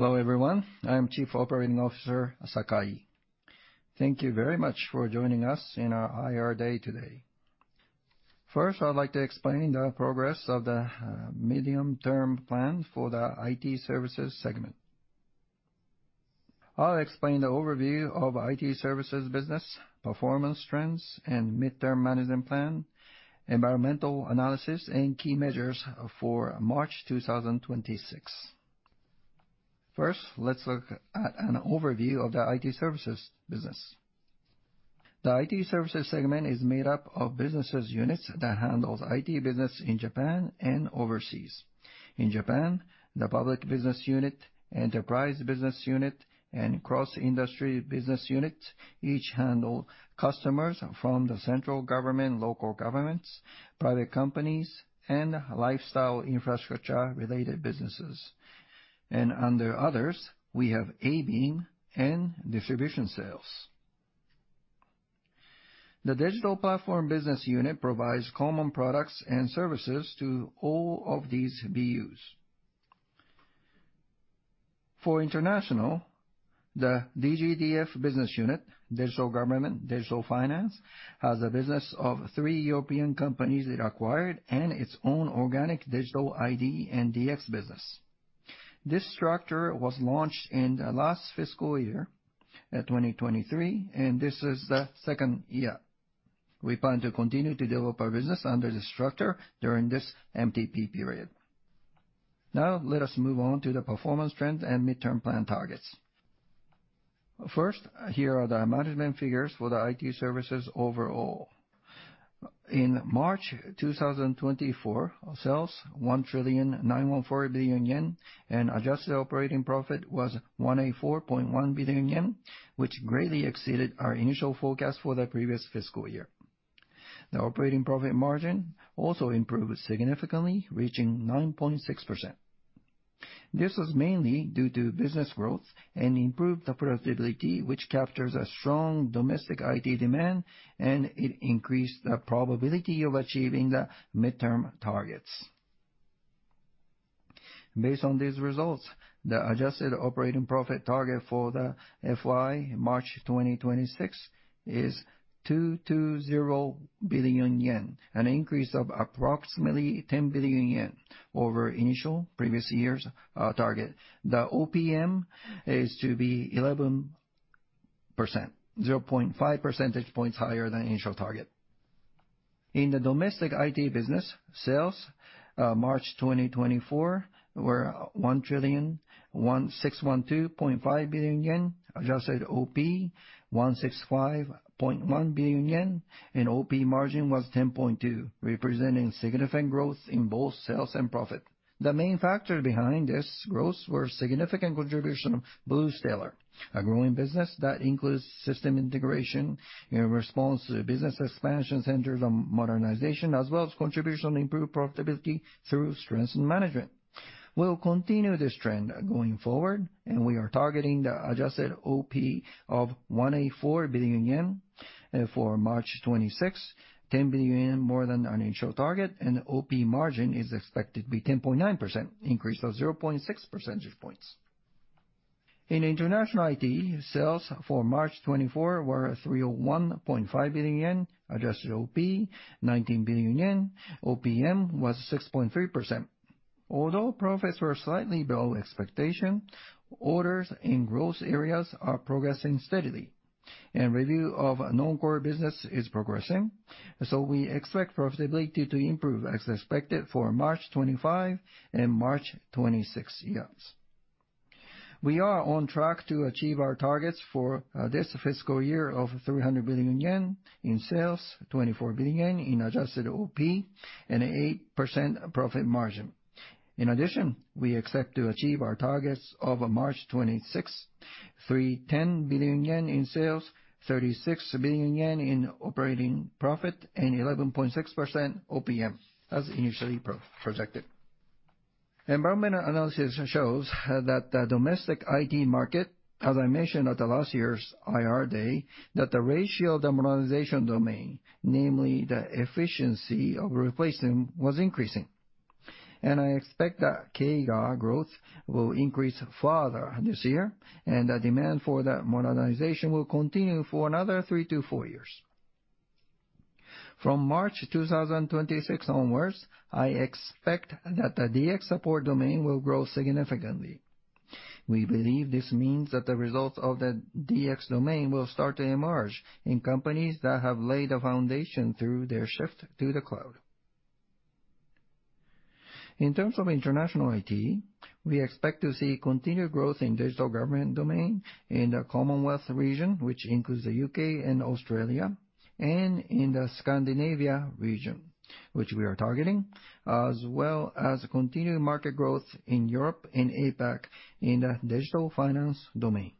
Hello, everyone. I'm Chief Operating Officer, Sakai. Thank you very much for joining us in our IR Day today. First, I'd like to explain the progress of the medium-term plan for the IT Services segment. I'll explain the overview of IT Services business, performance trends, and Mid-term Management Plan, environmental analysis, and key measures for March 2026. First, let's look at an overview of the IT Services business. The IT Services segment is made up of business units that handles IT business in Japan and overseas. In Japan, the Public Business Unit, Enterprise Business Unit, and Cross-Industry Business Unit each handle customers from the central government, local governments, private companies, and lifestyle infrastructure-related businesses. And under others, we have ABeam and distribution sales. The Digital Platform Business Unit provides common products and services to all of these BUs. For international, the DGDF Business Unit, Digital Government, Digital Finance, has a business of three European companies it acquired and its own organic Digital ID and DX business. This structure was launched in the last fiscal year, 2023, and this is the second year. We plan to continue to develop our business under the structure during this MTP period. Now, let us move on to the performance trends and midterm plan targets. First, here are the management figures for the IT Services overall. In March 2024, sales, 1.914 trillion, and adjusted operating profit was 184.1 billion yen, which greatly exceeded our initial forecast for the previous fiscal year. The operating profit margin also improved significantly, reaching 9.6%. This was mainly due to business growth and improved the profitability, which captures a strong domestic IT demand, and it increased the probability of achieving the midterm targets. Based on these results, the adjusted operating profit target for the FY March 2026 is 220 billion yen, an increase of approximately 10 billion yen over initial previous year's target. The OPM is to be 11%, 0.5 percentage points higher than initial target. In the domestic IT business, sales, March 2024, were 1,612.5 trillion yen. Adjusted OP, 165.1 billion yen, and OP margin was 10.2%, representing significant growth in both sales and profit. The main factor behind this growth were significant contribution of BluStellar, a growing business that includes system integration in response to business expansion centers on modernization, as well as contribution improved profitability through strengthened management. We'll continue this trend going forward, and we are targeting the adjusted OP of 184 billion yen for March 2026, 10 billion yen more than our initial target, and OP margin is expected to be 10.9%, increase of 0.6 percentage points. In international IT, sales for March 2024 were 301.5 billion yen. Adjusted OP, 19 billion yen. OPM was 6.3%. Although profits were slightly below expectation, orders in growth areas are progressing steadily, and review of non-core business is progressing, so we expect profitability to improve as expected for March 2025 and March 2026. We are on track to achieve our targets for this fiscal year of 300 billion yen in sales, 24 billion yen in adjusted OP, and 8% profit margin. In addition, we expect to achieve our targets of March 2026, 310 billion yen in sales, 36 billion yen in operating profit, and 11.6% OPM, as initially projected. Environmental analysis shows that the domestic IT market, as I mentioned at the last year's IR Day, that the ratio of the modernization domain, namely the efficiency of replacement, was increasing. And I expect that CAGR growth will increase further this year, and the demand for the modernization will continue for another three to four years. From March 2026 onwards, I expect that the DX support domain will grow significantly. We believe this means that the results of the DX domain will start to emerge in companies that have laid a foundation through their shift to the cloud. In terms of international IT, we expect to see continued growth in Digital Government domain in the Commonwealth region, which includes the U.K. and Australia, and in the Scandinavia region, which we are targeting, as well as continued market growth in Europe and APAC in the Digital Finance domain.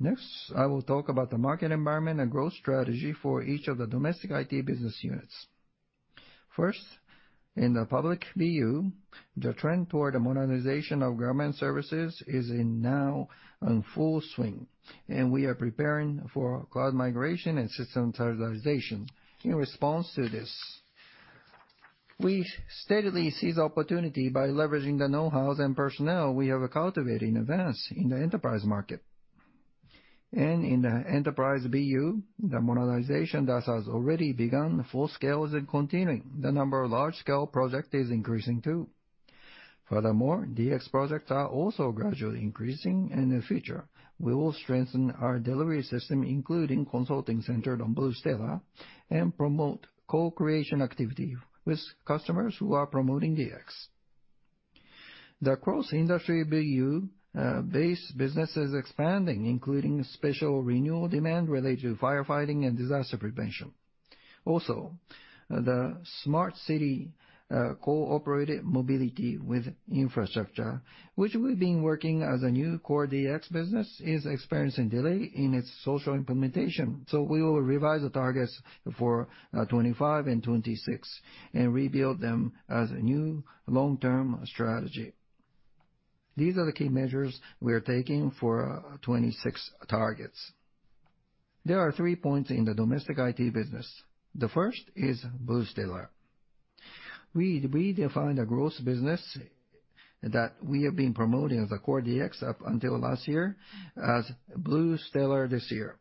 Next, I will talk about the market environment and growth strategy for each of the domestic IT business units. First, in the public BU, the trend toward the modernization of government services is now in full swing, and we are preparing for cloud migration and system standardization. In response to this, we steadily seize opportunity by leveraging the know-how and personnel we have cultivated in advance in the enterprise market. In the enterprise BU, the monetization that has already begun full scale is continuing. The number of large-scale project is increasing, too. Furthermore, DX projects are also gradually increasing. In the future, we will strengthen our delivery system, including consulting centered on BluStellar, and promote co-creation activity with customers who are promoting DX. The Cross-Industry BU base business is expanding, including special renewal demand related to firefighting and disaster prevention. Also, the smart city co-operated mobility with infrastructure, which we've been working as a new core DX business, is experiencing delay in its social implementation. We will revise the targets for 2025 and 2026, and rebuild them as a new long-term strategy. These are the key measures we are taking for 2026 targets. There are three points in the domestic IT business. The first is BluStellar. We defined a growth business that we have been promoting as a core DX up until last year as BluStellar this year.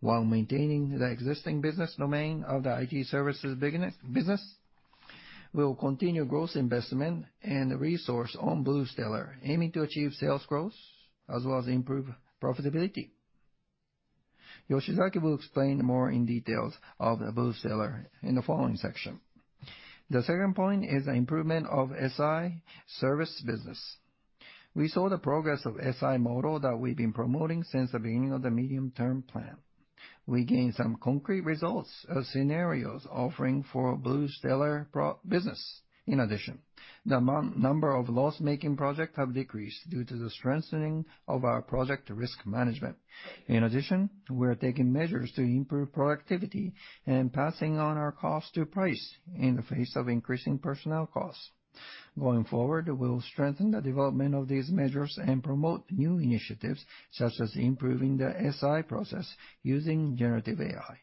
While maintaining the existing business domain of the IT Services business, we will continue growth investment and resource on BluStellar, aiming to achieve sales growth as well as improve profitability. Yoshizaki will explain more in details of the BluStellar in the following section. The second point is the improvement of SI service business. We saw the progress of SI model that we've been promoting since the beginning of the medium-term plan. We gained some concrete results of scenarios offering for BluStellar project business. In addition, the number of loss-making project have decreased due to the strengthening of our project risk management. In addition, we are taking measures to improve productivity and passing on our cost to price in the face of increasing personnel costs. Going forward, we will strengthen the development of these measures and promote new initiatives, such as improving the SI process using generative AI.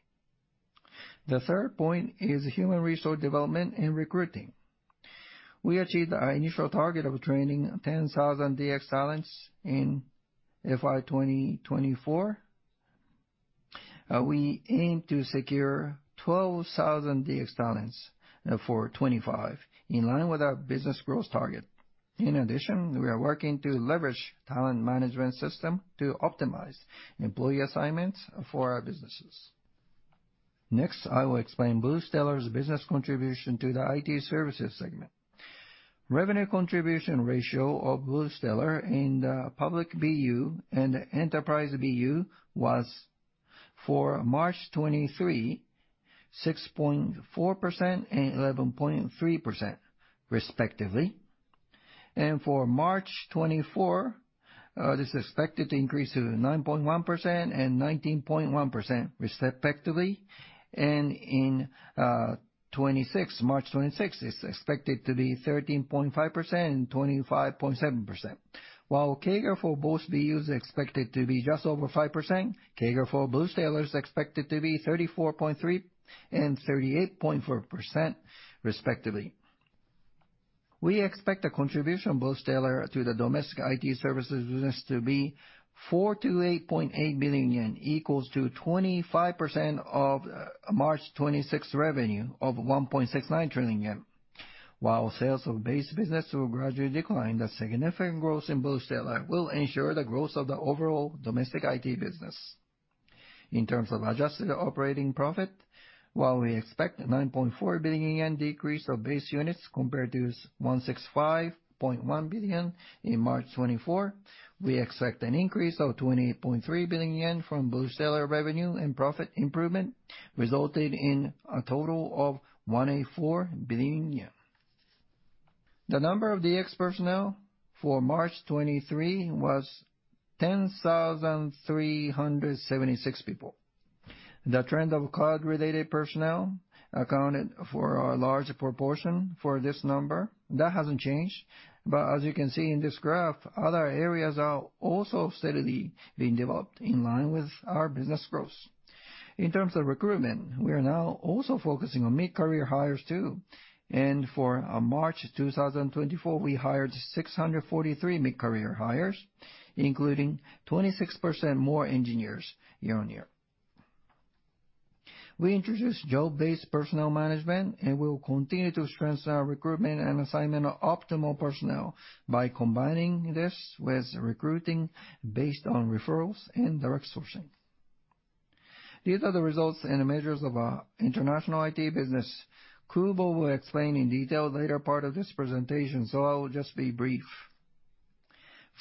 The third point is human resource development and recruiting. We achieved our initial target of training 10,000 DX talents in FY 2024. We aim to secure 12,000 DX talents for 2025, in line with our business growth target. In addition, we are working to leverage talent management system to optimize employee assignments for our businesses. Next, I will explain BluStellar's business contribution to the IT Services segment. Revenue contribution ratio of BluStellar in the public BU and enterprise BU was, for March 2023, 6.4% and 11.3%, respectively. For March 2024, this is expected to increase to 9.1% and 19.1%, respectively. In 2026, March 2026, it's expected to be 13.5% and 25.7%. While CAGR for both BUs is expected to be just over 5%, CAGR for BluStellar is expected to be 34.3% and 38.4%, respectively. We expect the contribution of BluStellar to the domestic IT Services business to be 4 billion-8.8 billion yen, equals to 25% of March 2026 revenue of 1.69 trillion yen. While sales of base business will gradually decline, the significant growth in BluStellar will ensure the growth of the overall domestic IT business. In terms of adjusted operating profit, while we expect 9.4 billion yen decrease of base units compared to 165.1 billion in March 2024, we expect an increase of 28.3 billion yen from BluStellar revenue, and profit improvement resulted in a total of 184 billion yen. The number of DX personnel for March 2023 was 10,376 people. The trend of cloud-related personnel accounted for a large proportion for this number. That hasn't changed, but as you can see in this graph, other areas are also steadily being developed in line with our business growth. In terms of recruitment, we are now also focusing on mid-career hires, too, and for March 2024, we hired 643 mid-career hires, including 26% more engineers year-on-year. We introduced job-based personnel management, and we will continue to strengthen our recruitment and assignment of optimal personnel by combining this with recruiting based on referrals and direct sourcing. These are the results and measures of our international IT business. Kubo will explain in detail later part of this presentation, so I will just be brief.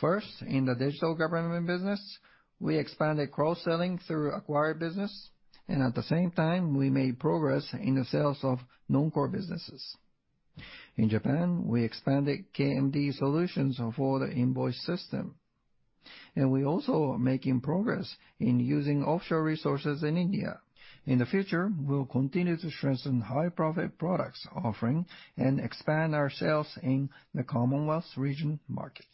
First, in the Digital Government business, we expanded cross-selling through acquired business, and at the same time, we made progress in the sales of non-core businesses. In Japan, we expanded KMD solutions for the invoice system, and we also are making progress in using offshore resources in India. In the future, we will continue to strengthen high-profit products offering and expand our sales in the Commonwealth region market.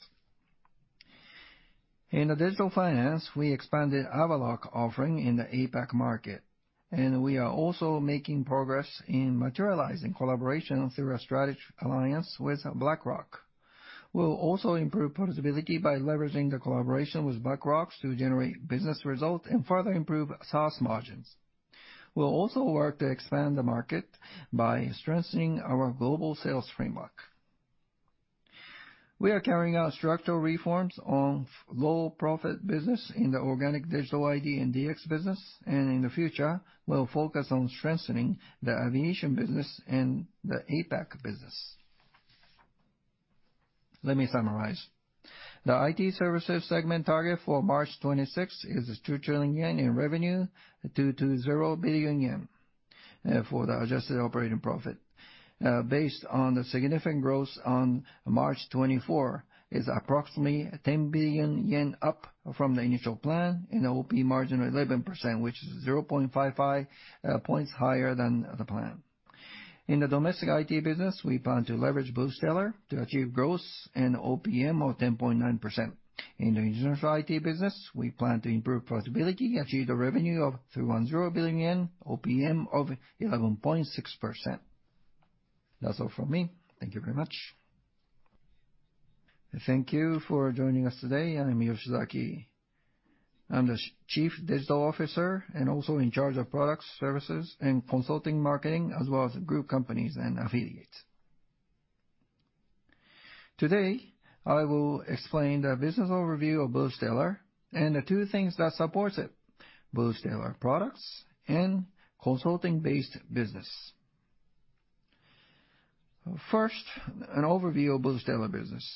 In the Digital Finance, we expanded Avaloq offering in the APAC market. And we are also making progress in materializing collaboration through a strategic alliance with BlackRock. We'll also improve profitability by leveraging the collaboration with BlackRock to generate business results and further improve SaaS margins. We'll also work to expand the market by strengthening our global sales framework. We are carrying out structural reforms on low-profit business in the organic Digital ID and DX business, and in the future, we'll focus on strengthening the aviation business and the APAC business. Let me summarize. The IT Services segment target for March 2026 is 2 trillion yen in revenue, 220 billion yen for the adjusted operating profit. Based on the significant growth on March 2024, is approximately 10 billion yen up from the initial plan, and OPM 11%, which is 0.55 points higher than the plan. In the domestic IT business, we plan to leverage BluStellar to achieve growth and OPM of 10.9%. In the international IT business, we plan to improve profitability, achieve the revenue of 310 billion yen, OPM of 11.6%. That's all from me. Thank you very much. Thank you for joining us today. I'm Yoshizaki. I'm the Chief Digital Officer and also in charge of products, services, and consulting marketing, as well as group companies and affiliates. Today, I will explain the business overview of BluStellar and the two things that supports it, BluStellar products and consulting-based business. First, an overview of BluStellar business.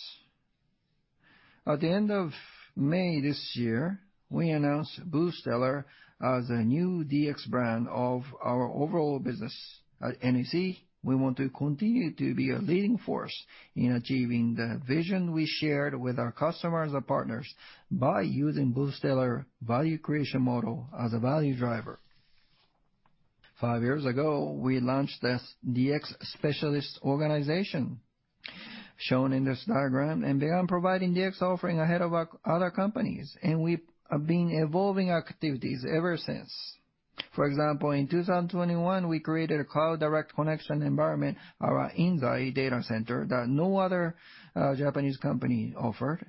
At the end of May this year, we announced BluStellar as a new DX brand of our overall business. At NEC, we want to continue to be a leading force in achieving the vision we shared with our customers and partners by using BluStellar value creation model as a value driver. Five years ago, we launched this DX specialist organization, shown in this diagram, and began providing DX offering ahead of our other companies, and we've been evolving our activities ever since. For example, in 2021, we created a cloud-direct connection environment, our own in the data center, that no other Japanese company offered.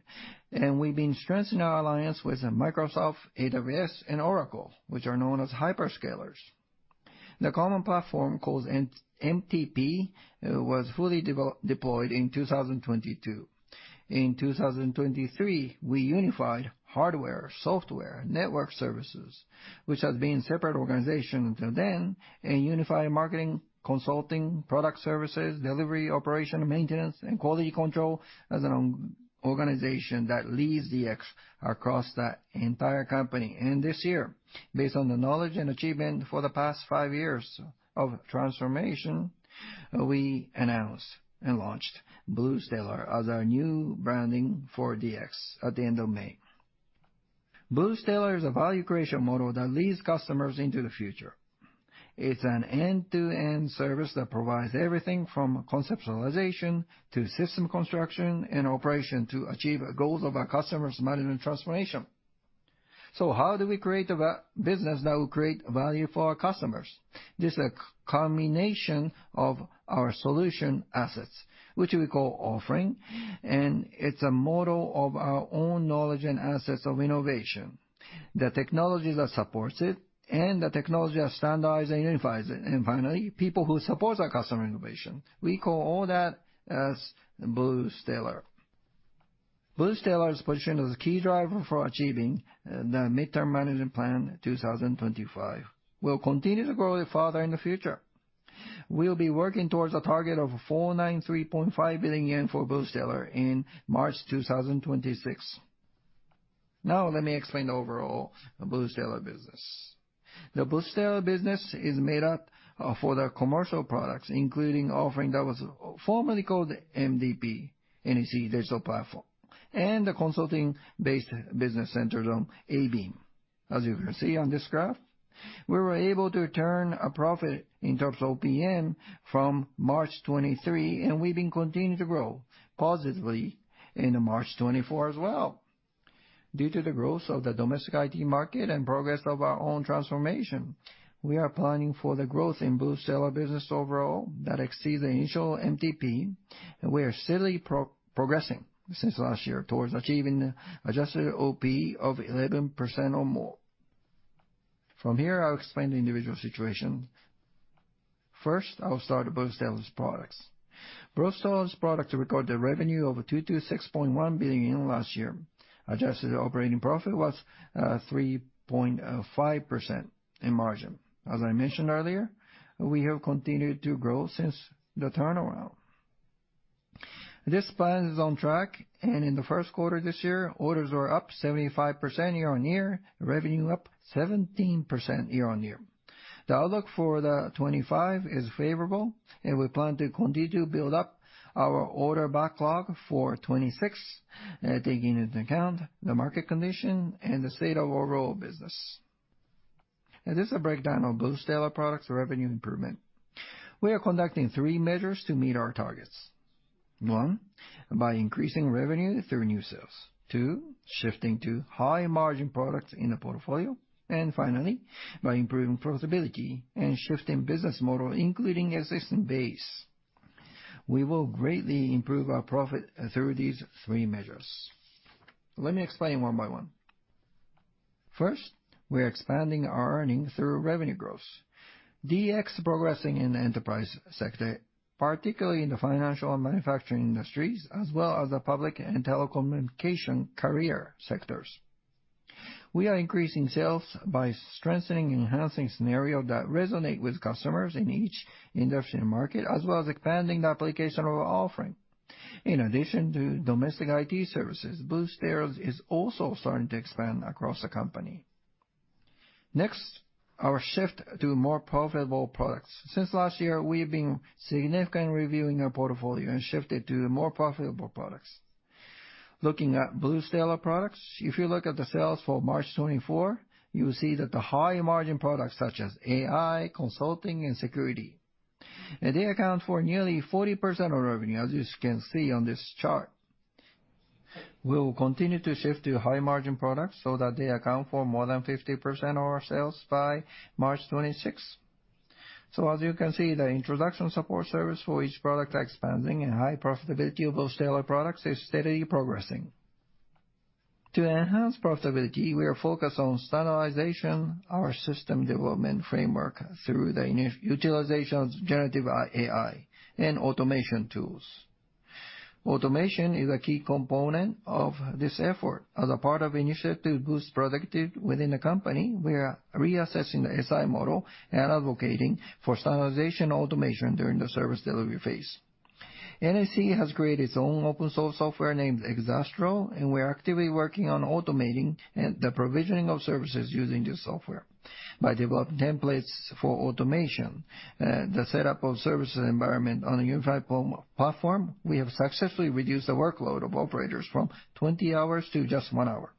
We've been strengthening our alliance with Microsoft, AWS, and Oracle, which are known as hyperscalers. The common platform, called an MTP, was fully deployed in 2022. In 2023, we unified hardware, software, network services, which had been separate organizations until then, and unified marketing, consulting, product services, delivery, operation, maintenance, and quality control as an organization that leads DX across the entire company. This year, based on the knowledge and achievement for the past five years of transformation, we announced and launched BluStellar as our new branding for DX at the end of May. BluStellar is a value creation model that leads customers into the future. It's an end-to-end service that provides everything from conceptualization to system construction and operation to achieve the goals of our customers' management transformation. How do we create a business that will create value for our customers? This is a combination of our solution assets, which we call offering, and it's a model of our own knowledge and assets of innovation. The technologies that supports it and the technology that standardizes and unifies it, and finally, people who support our customer innovation. We call all that as BluStellar. BluStellar is positioned as a key driver for achieving the Mid-term Management Plan 2025. We'll continue to grow it further in the future. We'll be working towards a target of 493.5 billion yen for BluStellar in March 2026. Now, let me explain the overall BluStellar business. The BluStellar business is made up of the commercial products, including offering that was formerly called NDP, NEC Digital Platform, and the consulting-based business centers on ABeam. As you can see on this graph, we were able to turn a profit in terms of OPM from March 2023, and we've been continuing to grow positively into March 2024 as well. Due to the growth of the domestic IT market and progress of our own transformation, we are planning for the growth in BluStellar business overall that exceeds the initial NDP, and we are steadily progressing since last year towards achieving the adjusted OP of 11% or more. From here, I'll explain the individual situation. First, I'll start with BluStellar's products. BluStellar's products record the revenue of 226.1 billion last year. Adjusted operating profit was 3.5% in margin. As I mentioned earlier, we have continued to grow since the turnaround. This plan is on track, and in the first quarter this year, orders were up 75% year-on-year, revenue up 17% year-on-year. The outlook for 2025 is favorable, and we plan to continue to build up our order backlog for 2026, taking into account the market condition and the state of overall business, and this is a breakdown of BluStellar products revenue improvement. We are conducting three measures to meet our targets. One, by increasing revenue through new sales. Two, shifting to high-margin products in the portfolio. And finally, by improving profitability and shifting business model, including existing base. We will greatly improve our profit through these three measures. Let me explain one by one. First, we are expanding our earnings through revenue growth. DX progressing in the enterprise sector, particularly in the financial and manufacturing industries, as well as the public and telecommunication carrier sectors. We are increasing sales by strengthening and enhancing scenarios that resonate with customers in each industry and market, as well as expanding the application of our offering. In addition to domestic IT Services, BluStellar is also starting to expand across the company. Next, our shift to more profitable products. Since last year, we've been significantly reviewing our portfolio and shifted to more profitable products. Looking at BluStellar products, if you look at the sales for March 2024, you will see that the high-margin products, such as AI, consulting, and security, they account for nearly 40% of revenue, as you can see on this chart. We will continue to shift to high-margin products so that they account for more than 50% of our sales by March 2026. As you can see, the introduction support service for each product expanding and high profitability of BluStellar products is steadily progressing. To enhance profitability, we are focused on standardization of our system development framework through the initial utilization of generative AI and automation tools. Automation is a key component of this effort. As part of the initiative to boost productivity within the company, we are reassessing the SI model and advocating for standardization and automation during the service delivery phase. NEC has created its own open-source software named Exastro, and we're actively working on automating the provisioning of services using this software. By developing templates for automation, the setup of service environment on a unified platform, we have successfully reduced the workload of operators from 20 hours to just one hour.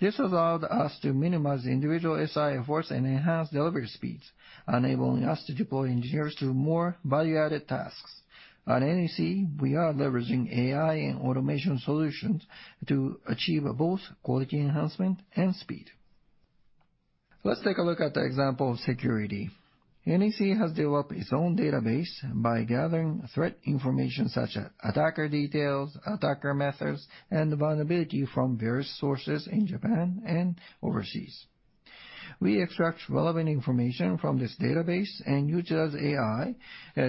This has allowed us to minimize the individual SI efforts and enhance delivery speeds, enabling us to deploy engineers to more value-added tasks. At NEC, we are leveraging AI and automation solutions to achieve both quality enhancement and speed. Let's take a look at the example of security. NEC has developed its own database by gathering threat information such as attacker details, attacker methods, and vulnerability from various sources in Japan and overseas. We extract relevant information from this database and utilize AI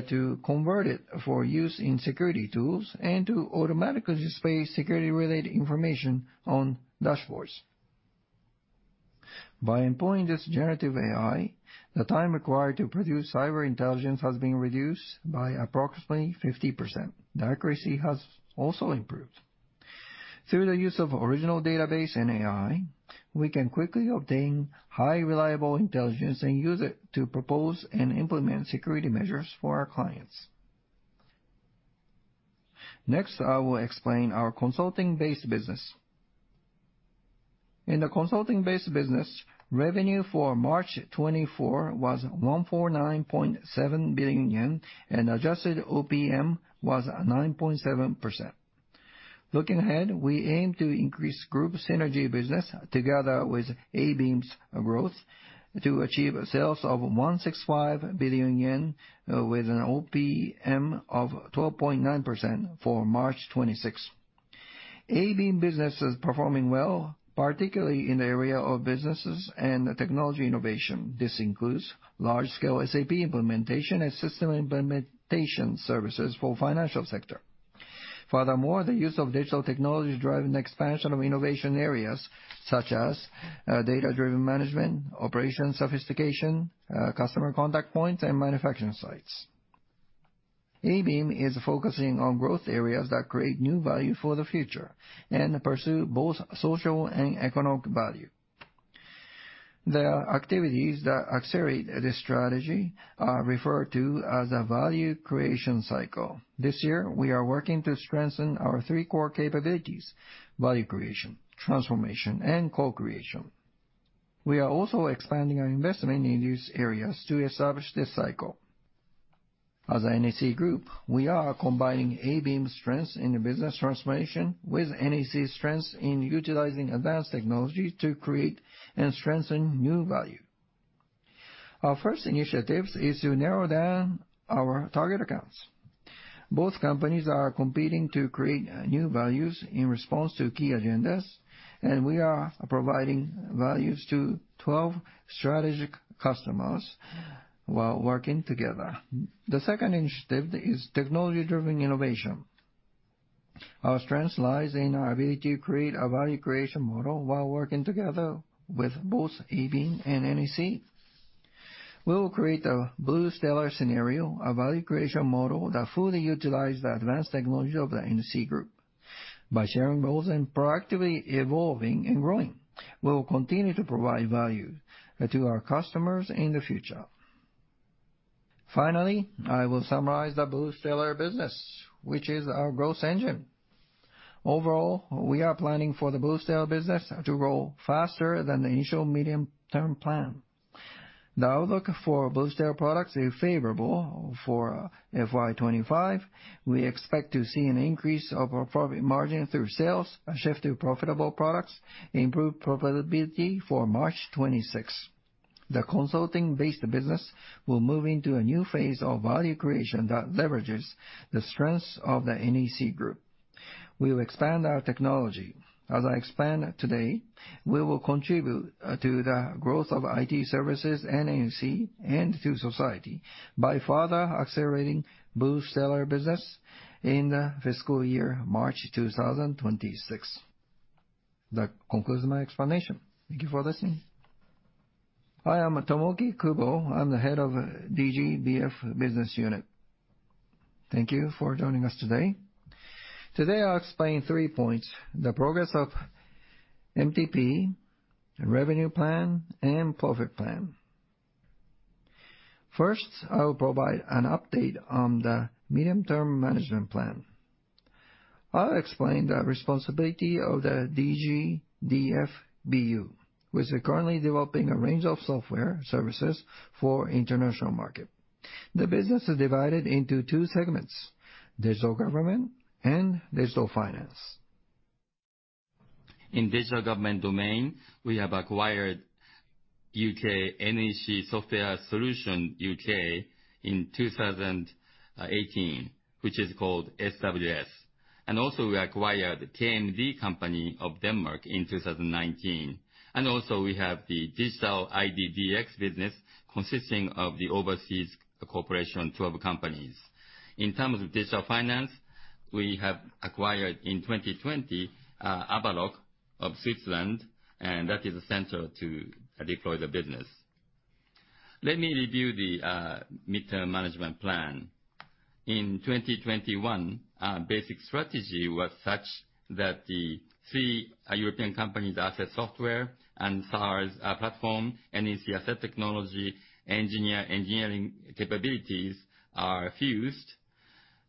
to convert it for use in security tools and to automatically display security-related information on dashboards. By employing this generative AI, the time required to produce cyber intelligence has been reduced by approximately 50%. The accuracy has also improved. Through the use of original database and AI, we can quickly obtain high reliable intelligence and use it to propose and implement security measures for our clients. Next, I will explain our consulting-based business. In the consulting-based business, revenue for March 2024 was 149.7 billion yen, and adjusted OPM was 9.7%. Looking ahead, we aim to increase group synergy business together with ABeam's growth to achieve sales of 165 billion yen, with an OPM of 12.9% for March 2026. ABeam business is performing well, particularly in the area of businesses and technology innovation. This includes large-scale SAP implementation and system implementation services for financial sector. Furthermore, the use of digital technology is driving expansion of innovation areas such as, data-driven management, operation sophistication, customer contact points, and manufacturing sites. ABeam is focusing on growth areas that create new value for the future and pursue both social and economic value. The activities that accelerate this strategy are referred to as a value creation cycle. This year, we are working to strengthen our three core capabilities: value creation, transformation, and co-creation. We are also expanding our investment in these areas to establish this cycle. As an NEC Group, we are combining ABeam's strengths in business transformation with NEC's strengths in utilizing advanced technology to create and strengthen new value. Our first initiatives is to narrow down our target accounts. Both companies are competing to create new values in response to key agendas, and we are providing values to 12 strategic customers while working together. The second initiative is technology-driven innovation. Our strength lies in our ability to create a value creation model while working together with both ABeam and NEC. We will create a BluStellar scenario, a value creation model that fully utilize the advanced technology of the NEC Group. By sharing goals and proactively evolving and growing, we will continue to provide value to our customers in the future. Finally, I will summarize the BluStellar business, which is our growth engine. Overall, we are planning for the BluStellar business to grow faster than the initial medium-term plan. The outlook for BluStellar products is favorable for FY 2025. We expect to see an increase of our profit margin through sales, a shift to profitable products, improved profitability for March 2026. The consulting-based business will move into a new phase of value creation that leverages the strengths of the NEC Group. We will expand our technology. As I explained today, we will contribute to the growth of IT Services, NEC, and to society by further accelerating BluStellar business in the fiscal year March 2026. That concludes my explanation. Thank you for listening. Hi, I'm Tomoki Kubo. I'm the Head of DGDF Business Unit. Thank you for joining us today. Today, I'll explain three points: the progress of MTP, the revenue plan, and profit plan. First, I will provide an update on the Mid-term Management Plan. I'll explain the responsibility of the DGDF BU, which is currently developing a range of software services for international market. The business is divided into two segments: Digital Government and Digital Finance. In Digital Government domain, we have acquired U.K., NEC Software Solutions U.K. in 2018, which is called SWS, and also we acquired KMD company of Denmark in 2019. And also, we have the Digital ID/DX business, consisting of the overseas corporation, twelve companies. In terms of Digital Finance, we have acquired in 2020, Avaloq of Switzerland, and that is essential to deploy the business. Let me review the Mid-term Management Plan. In 2021, our basic strategy was such that the three European companies, NEC Software and SaaS platform, NEC asset technology engineering capabilities are fused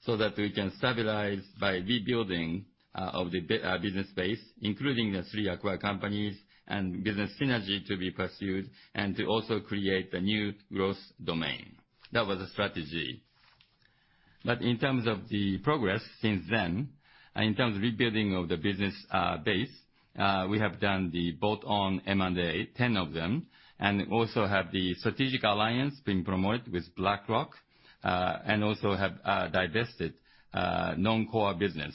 so that we can stabilize by rebuilding of the business base, including the three acquired companies, and business synergy to be pursued, and to also create a new growth domain. That was the strategy. But in terms of the progress since then, in terms of rebuilding of the business base, we have done the bolt-on M&A, 10 of them, and also have the strategic alliance being promoted with BlackRock, and also have divested non-core business.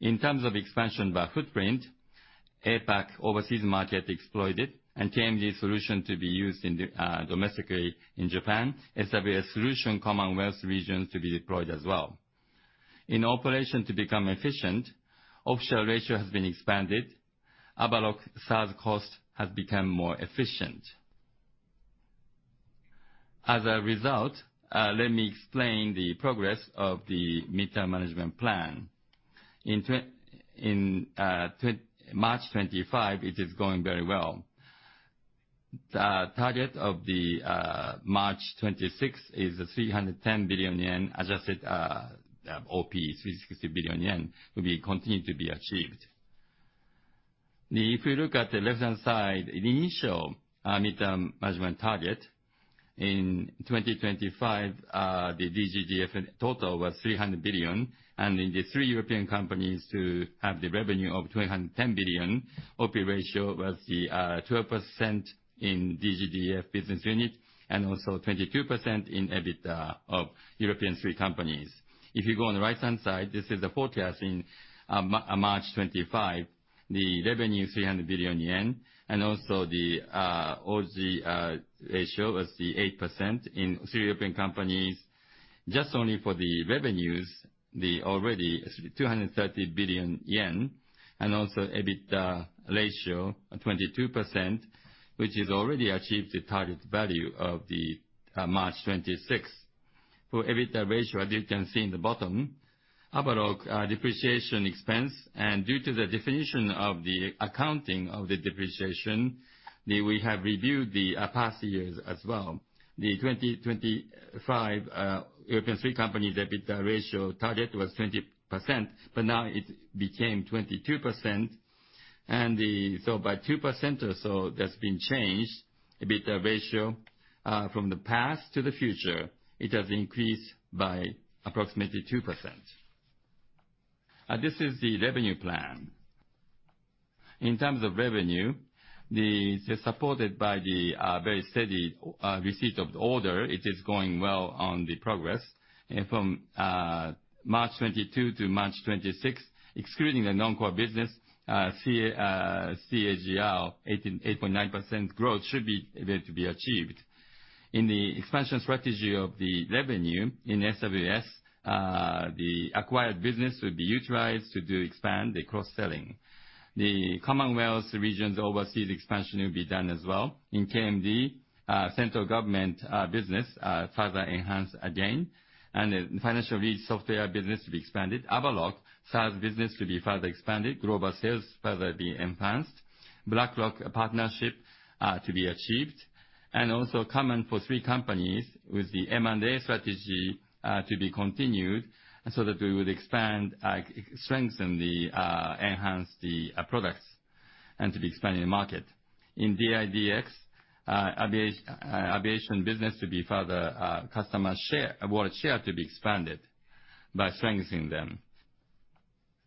In terms of expansion by footprint, APAC overseas market exploited, and KMD solution to be used in the domestically in Japan, SWS solution Commonwealth regions to be deployed as well. In operation to become efficient, offshore ratio has been expanded. Avaloq SaaS cost has become more efficient. As a result, let me explain the progress of the Mid-term Management Plan. In March 2025, it is going very well. The target of March 2026 is 310 billion yen, adjusted OP is 360 billion yen, will be continued to be achieved. If you look at the left-hand side, the initial mid-term management target in 2025, the DGDF in total was 300 billion, and in the three European companies to have the revenue of 210 billion, OP ratio was 12% in DGDF business unit, and also 22% in EBITDA of the European three companies. If you go on the right-hand side, this is the forecast in March 2025, the revenue 300 billion yen, and also the OPM ratio was 8% in three European companies. Just only for the revenues, already 230 billion yen, and also EBITDA ratio 22%, which is already achieved the target value of the March 2026. For EBITDA ratio, as you can see in the bottom, Avaloq depreciation expense, and due to the definition of the accounting of the depreciation, we have reviewed the past years as well. The 2025 European three company EBITDA ratio target was 20%, but now it became 22%. So by 2% or so, that's been changed. EBITDA ratio from the past to the future, it has increased by approximately 2%. This is the revenue plan. In terms of revenue, it's supported by the very steady receipt of the order. It is going well on the progress, and from March 2022 to March 2026, excluding the non-core business, CAGR 8.9% growth should be able to be achieved. In the expansion strategy of the revenue in SWS, the acquired business will be utilized to expand the cross-selling. The Commonwealth regions overseas expansion will be done as well. In KMD, central government business further enhanced, and the financial lead software business will be expanded. Avaloq SaaS business will be further expanded, global sales further be enhanced, BlackRock partnership to be achieved. And also common for three companies with the M&A strategy to be continued, so that we would expand, strengthen the, enhance the, products and to be expanded in the market in the DX aviation business to be further customer share, market share to be expanded by strengthening them.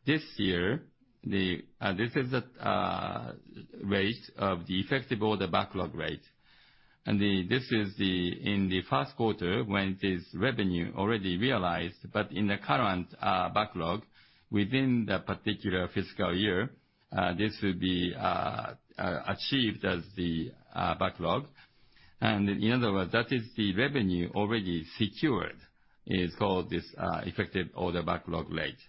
This year, this is the rate of the effective order backlog rate, and this is the in the first quarter, when it is revenue already realized, but in the current backlog within the particular fiscal year, this will be achieved as the backlog. And in other words, that is the revenue already secured is called this effective order backlog rate.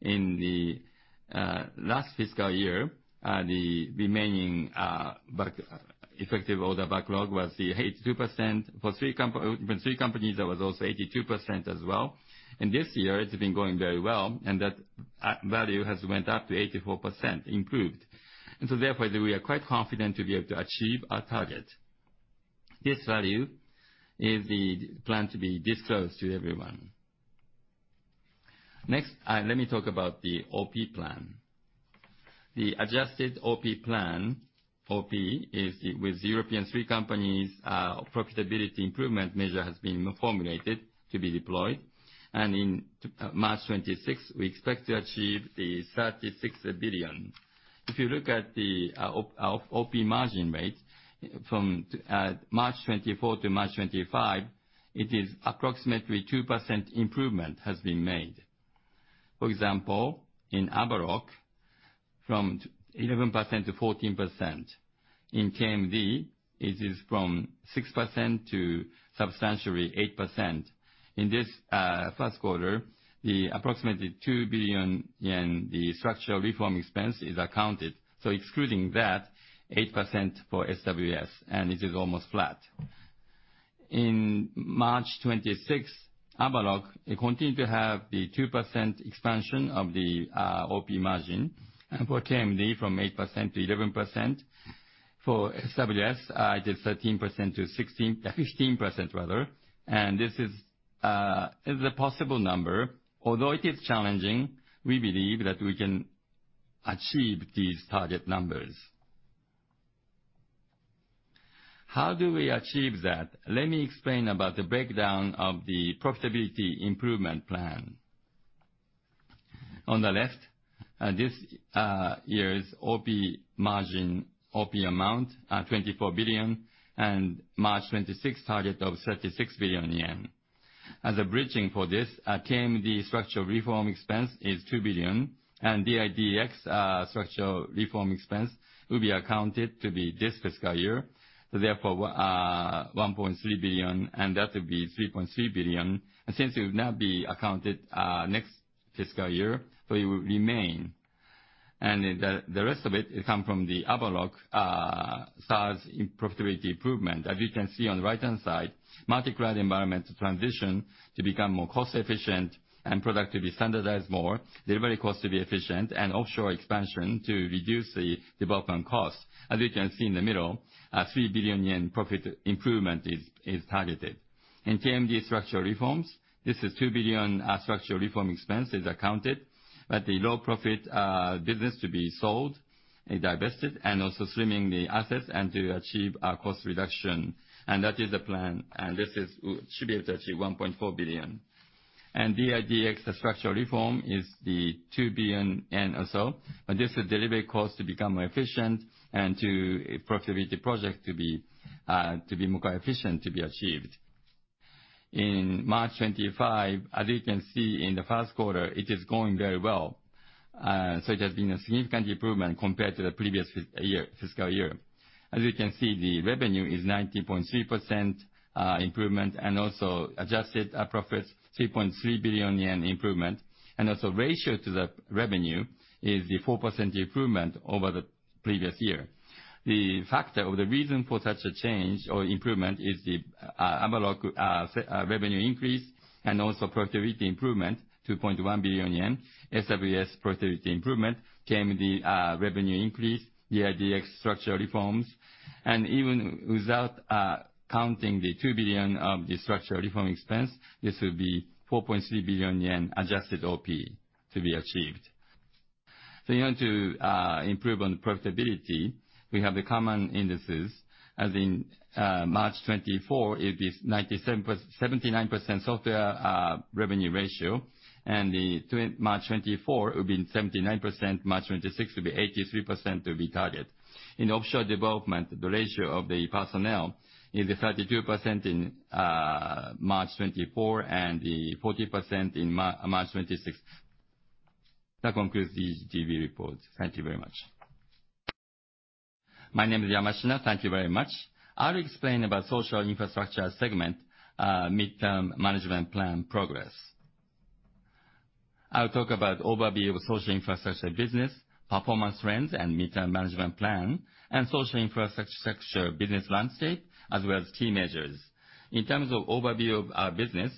In the last fiscal year, the remaining effective order backlog was 82%. For three companies, that was also 82% as well. And this year, it's been going very well, and that value has went up to 84%, improved. And so therefore, we are quite confident to be able to achieve our target. This value is the plan to be disclosed to everyone. Next, let me talk about the OP plan. The adjusted OP plan, OP, is with the three European companies. Profitability improvement measure has been formulated to be deployed, and in March 2026, we expect to achieve 36 billion. If you look at the OP margin rate, from March 2024 to March 2025, it is approximately 2% improvement has been made. For example, in Avaloq, from 11% to 14%. In KMD, it is from 6% to substantially 8%. In this first quarter, the approximately 2 billion yen in the structural reform expense is accounted, so excluding that, 8% for SWS, and it is almost flat. In March 2026, Avaloq, they continue to have the 2% expansion of the OP margin, and for KMD, from 8%-11%. For SWS, it is 13%-15%, rather. And this is a possible number. Although it is challenging, we believe that we can achieve these target numbers. How do we achieve that? Let me explain about the breakdown of the profitability improvement plan. On the left, this year's OP margin, OP amount, 24 billion, and March twenty-sixth target of 36 billion yen. As a bridging for this, KMD structural reform expense is 2 billion, and DI/DX structural reform expense will be accounted to be this fiscal year, so therefore, 1.3 billion, and that will be 3.3 billion. And since it will not be accounted next fiscal year, so it will remain. And the rest of it, it come from the Avaloq sales and profitability improvement. As you can see on the right-hand side, multi-cloud environment transition to become more cost efficient and product to be standardized more, delivery cost to be efficient, and offshore expansion to reduce the development costs. As you can see in the middle, a 3 billion yen profit improvement is targeted. In KMD structural reforms, this is 2 billion structural reform expense is accounted, but the low-profit business to be sold and divested, and also slimming the assets and to achieve a cost reduction. That is the plan, and this should be able to achieve 1.4 billion. DI/DX structural reform is the 2 billion yen or so, but this is delivery cost to become more efficient and to profitability project to be more efficient, to be achieved. In March 2025, as you can see in the first quarter, it is going very well, so it has been a significant improvement compared to the previous fiscal year. As you can see, the revenue is 19.3% improvement, and also adjusted profits, 3.3 billion yen improvement. Also ratio to the revenue is the 4% improvement over the previous year. The factor or the reason for such a change or improvement is the Avaloq revenue increase and also profitability improvement, 2.1 billion yen, SWS profitability improvement, KMD revenue increase, DGDF structural reforms. Even without counting the 2 billion of the structural reform expense, this will be 4.3 billion yen adjusted OP to be achieved. In order to improve on the profitability, we have the common indices. As in March 2024, it is 79% software revenue ratio, and the March 2024 will be 79%, March 2026 will be 83% to be target. In offshore development, the ratio of the personnel is 32% in March 2024, and 40% in March 2026. That concludes the GP report. Thank you very much. My name is Yamashina. Thank you very much. I'll explain about Social Infrastructure segment, Mid-term Management Plan progress. I'll talk about overview of Social Infrastructure business, performance trends, and Mid-term Management Plan, and Social Infrastructure business landscape, as well as key measures. In terms of overview of our business,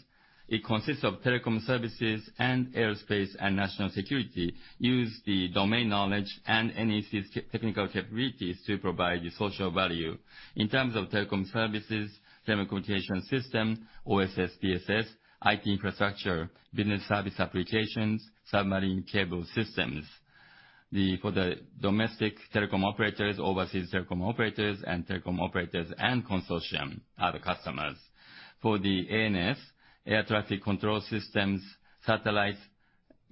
it consists of Telecom Services and Aerospace and National Security, use the domain knowledge and NEC's technical capabilities to provide the social value. In terms of telecom services, telecommunication system, OSS/BSS, IT infrastructure, business service applications, submarine cable systems. For the domestic telecom operators, overseas telecom operators, and telecom operators and consortium are the customers. For the ANS, air traffic control systems, satellites,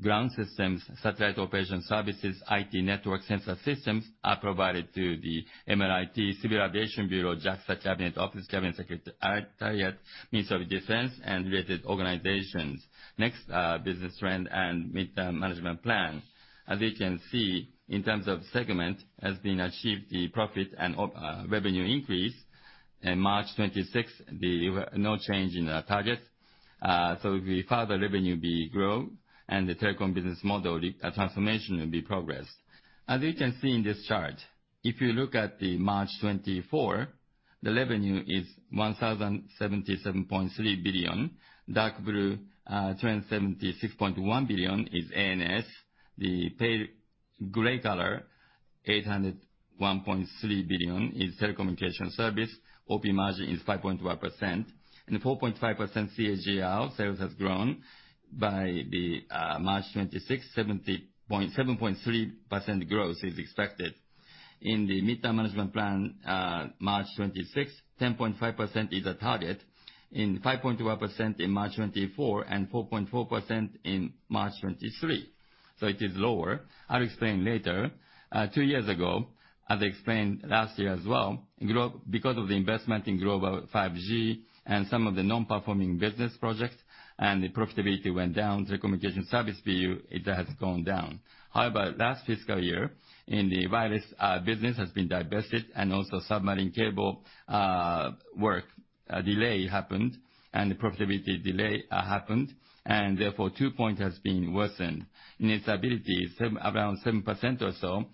ground systems, satellite operation services, IT network sensor systems are provided to the MLIT, Civil Aviation Bureau, JAXA, Cabinet Office, Cabinet Secretariat, Ministry of Defense, and related organizations. Next, business trend and Mid-term Management Plan. As you can see, in terms of segment, has been achieved the profit and revenue increase. In March 2026, no change in the target. So the further revenue will grow and the telecom business model, the transformation will be progressed. As you can see in this chart, if you look at the March 2024, the revenue is 1,077.3 billion. Dark blue, 276.1 billion is ANS. The pale gray color, 801.3 billion, is telecommunication service. OP margin is 5.1%, and the 4.5% CAGR sales has grown by the March 2026 7.3% growth is expected. In the Mid-term Management Plan, March 2026 10.5% is a target, and 5.1% in March 2024, and 4.4% in March 2023. It is lower. I'll explain later. Two years ago, as I explained last year as well, because of the investment in Global 5G and some of the non-performing business projects, and the profitability went down, telecom services unit, it has gone down. However, last fiscal year, in the wireless business has been divested and also submarine systems work delay happened, and the profitability delay happened, and therefore, 2 points has been worsened. In its ability, around 7% or so,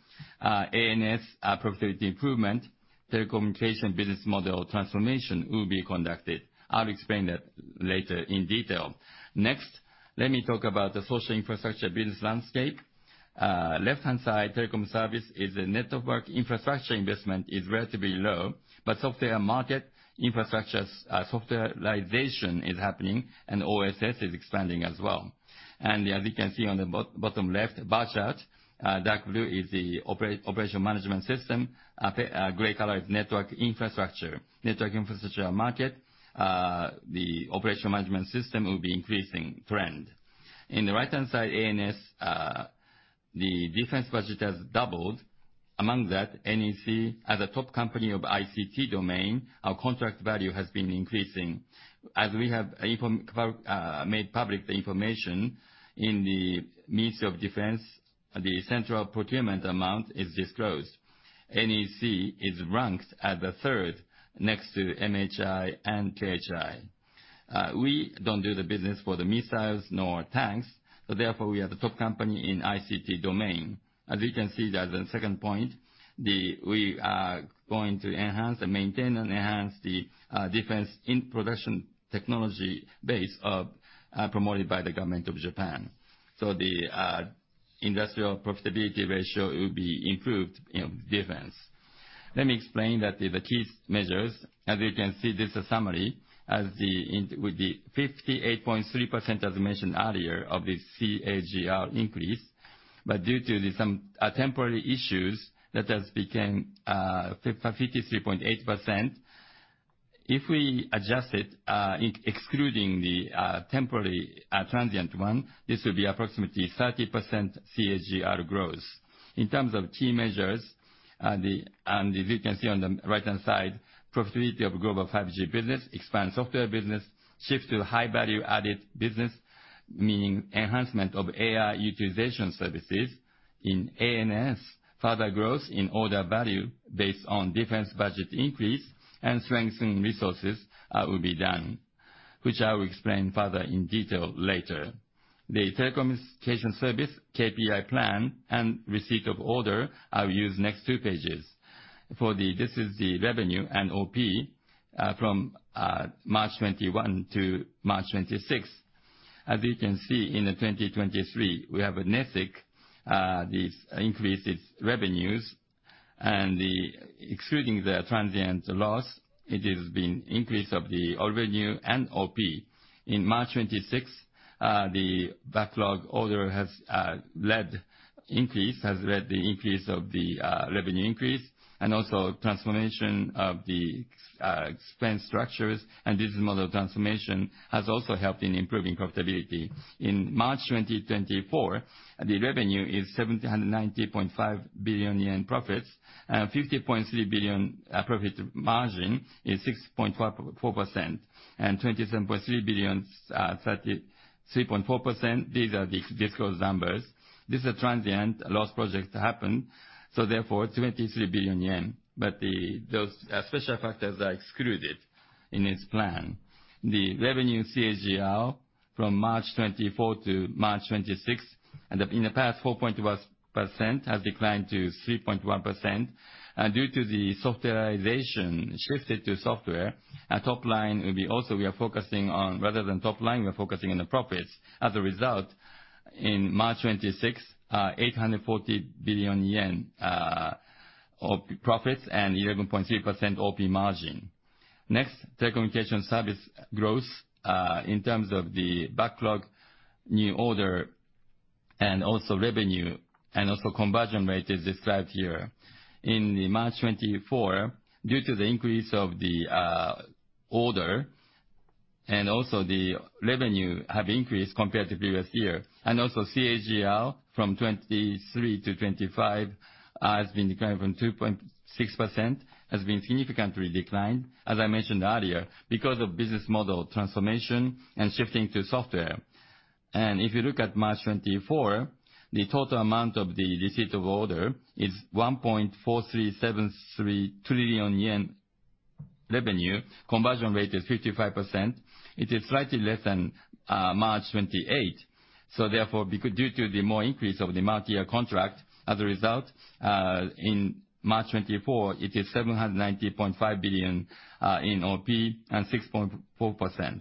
ANS profitability improvement, telecommunication business model transformation will be conducted. I'll explain that later in detail. Next, let me talk about the Social Infrastructure business landscape. Left-hand side, telecom service is the network. Infrastructure investment is relatively low, but software market infrastructure, Softwareization is happening, and OSS is expanding as well. And as you can see on the bottom left, bar chart, dark blue is the operation management system. Pale gray color is network infrastructure. Network infrastructure market, the operational management system will be increasing trend. In the right-hand side, ANS, the defense budget has doubled. Among that, NEC, as a top company of ICT domain, our contract value has been increasing. As we have informed, made public the information, in the Ministry of Defense, the central procurement amount is disclosed. NEC is ranked as the third next to MHI and KHI. We don't do the business for the missiles nor tanks, so therefore, we are the top company in ICT domain. As you can see that the second point, the, we are going to enhance and maintain the defense production technology base of, promoted by the government of Japan. So the industrial profitability ratio will be improved in defense. Let me explain that the key measures. As you can see, this is a summary, as in with the 58.3%, as mentioned earlier, of the CAGR increase. But due to some temporary issues, that has became 53.8%. If we adjust it, in excluding the temporary transient one, this will be approximately 30% CAGR growth. In terms of key measures, and as you can see on the right-hand side, profitability of Global 5G business, expand software business, shift to high value added business, meaning enhancement of AI utilization services. In ANS, further growth in order value based on defense budget increase and strengthening resources will be done, which I will explain further in detail later. The telecommunication service KPI plan and receipt of order, I will use next two pages. For the, this is the revenue and OP from March 2021 to March 2026. As you can see, in 2023, we have a NEC, this increases revenues, and excluding the transient loss, it has been increase of all revenue and OP. In March 2026, the backlog order has led increase, has led the increase of the revenue increase, and also transformation of the expense structures, and business model transformation has also helped in improving profitability. In March 2024, the revenue is 790.5 billion yen, profits 50.3 billion, profit margin is 6.44%, and 27.3 billion, 33.4%. These are the disclosed numbers. This is a transient loss project happened, so therefore, 23 billion yen. But the those special factors are excluded in this plan. The revenue CAGR from March 2024 to March 2026, and in the past 4.1%, has declined to 3.1%. Due to the Softwareization, shifted to software, our top line will be also we are focusing on, rather than top line, we are focusing on the profits. As a result, in March 2026, 840 billion yen of profits and 11.3% OP margin. Next, telecommunication service growth, in terms of the backlog, new order, and also revenue, and also conversion rate is described here. In the March 2024, due to the increase of the order and also the revenue have increased compared to previous year, and also CAGR from 2023 to 2025 has been declining from 2.6%, has been significantly declined, as I mentioned earlier, because of business model transformation and shifting to software. If you look at March 2024, the total amount of the receipt of order is 1,437.3 trillion yen revenue. Conversion rate is 55%. It is slightly less than March 2028. Therefore, because due to the more increase of the multi-year contract, as a result, in March 2024, it is 790.5 billion in OP, and 6.4%.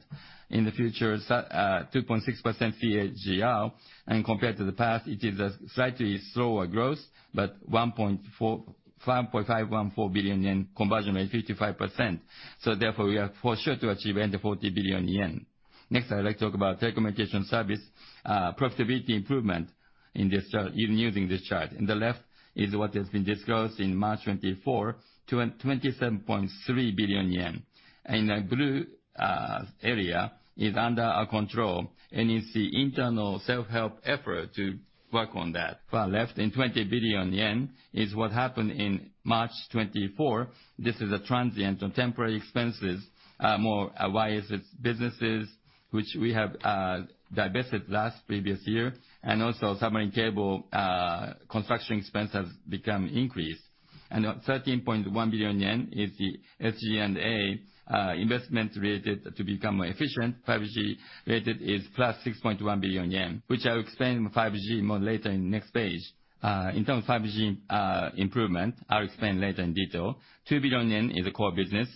In the future, 2.6% CAGR, and compared to the past, it is a slightly slower growth, but 1.514 billion yen, conversion rate 55%. Therefore, we are for sure to achieve end of 840 billion yen. Next, I'd like to talk about telecommunication service profitability improvement in this chart, using this chart. In the left is what has been discussed in March 2024, 27.3 billion yen. In a blue area is under our control, and it's the internal self-help effort to work on that. Far left, 20 billion yen, is what happened in March 2024. This is a transient or temporary expenses from businesses which we have divested last previous year, and also submarine cable construction expense has become increased. And 13.1 billion yen is the SG&A investment related to become more efficient. 5G related is +6.1 billion yen, which I'll explain 5G more later in the next page. In terms of 5G improvement, I'll explain later in detail. 2 billion yen is the core business.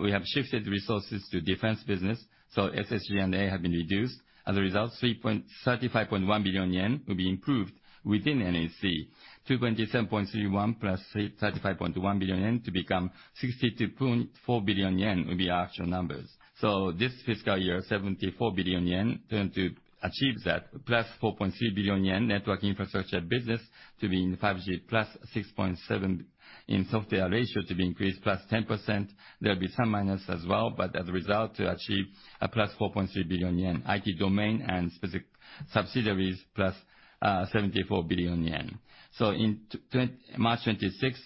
We have shifted resources to defense business, so SG&A have been reduced. As a result, 35.1 billion yen will be improved within NEC. 27.3 billion + 35.1 billion yen to become 62.4 billion yen will be our actual numbers. So this fiscal year, 74 billion yen, turn to achieve that, +4.3 billion yen network infrastructure business to be in the +6.7 billion in software ratio to be increased +10%. There'll be some minus as well, but as a result, to achieve a +4.3 billion yen, IT domain and specific +74 billion yen. So in the March 2026,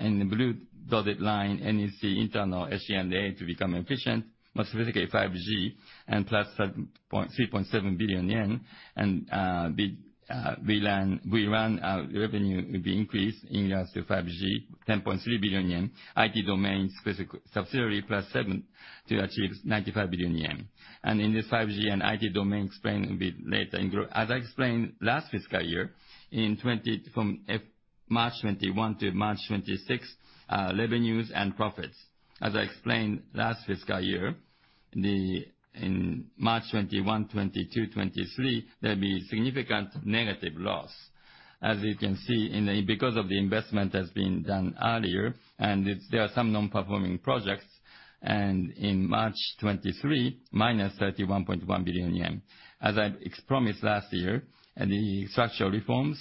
in the blue dotted line, NEC internal SG&A to become efficient, more specifically 5G, +3.7 billion yen. And we run revenue will be increased in regards to 5G, 10.3 billion yen, IT domain, specific +7 billion to achieve 95 billion yen. And in this 5G and IT domain, explain a bit later. As I explained last fiscal year, in from March 2021 to March 2026, revenues and profits. As I explained last fiscal year, in March 2021, 2022, 2023, there'll be significant negative loss. As you can see, because of the investment that's been done earlier, and there are some non-performing projects, and in March 2023, -31.1 billion yen. As I promised last year, and the structural reforms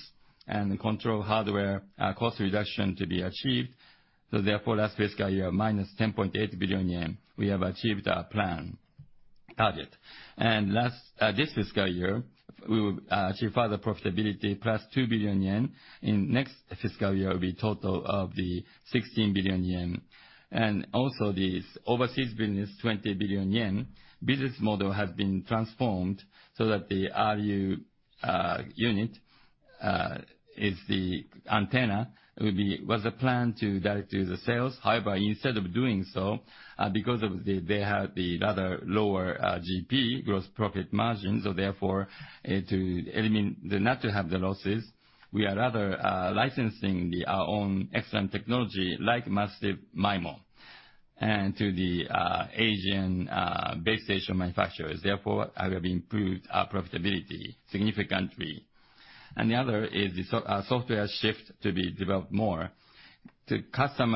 and control hardware, cost reduction to be achieved, so therefore, last fiscal year, -10.8 billion yen, we have achieved our plan, target. Last, this fiscal year, we will achieve further profitability, +2 billion yen. In next fiscal year, will be total of the 16 billion yen. Also, this overseas business, 20 billion yen, business model has been transformed so that the RU unit is the antenna. It was a plan to direct to the sales. However, instead of doing so, because they have the rather lower GP, gross profit margin, so therefore, to eliminate then not to have the losses, we are rather licensing our own excellent technology, like Massive MIMO, to the Asian base station manufacturers. Therefore, I will improve our profitability significantly. The other is the software shift to be developed more. Addressing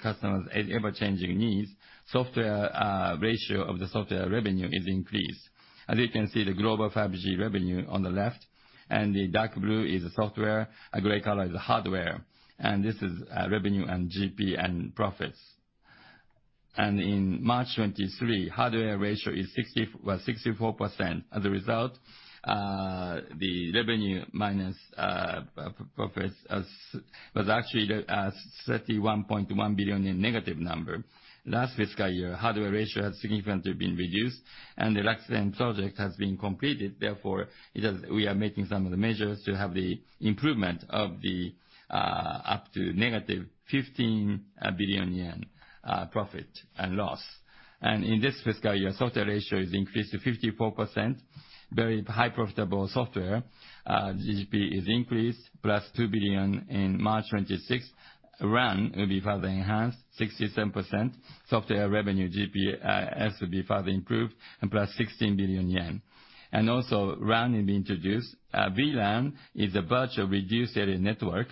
customers' ever-changing needs, software ratio of the software revenue is increased. As you can see, the Global 5G revenue on the left, and the dark blue is the software, and gray color is the hardware. This is revenue and GP and profits. In March 2023, hardware ratio is 64%. As a result, the revenue minus profits was actually 31.1 billion negative number. Last fiscal year, hardware ratio has significantly been reduced, and the Rakuten project has been completed. Therefore, we are making some of the measures to have the improvement of the up to -15 billion yen profit and loss. In this fiscal year, software ratio has increased to 54%. Very high profitable software, GP is increased, +2 billion in March 2026. vRAN will be further enhanced, 67%. Software revenue GP has to be further improved and +16 billion yen. RAN will be introduced. vRAN is a virtual radio access network,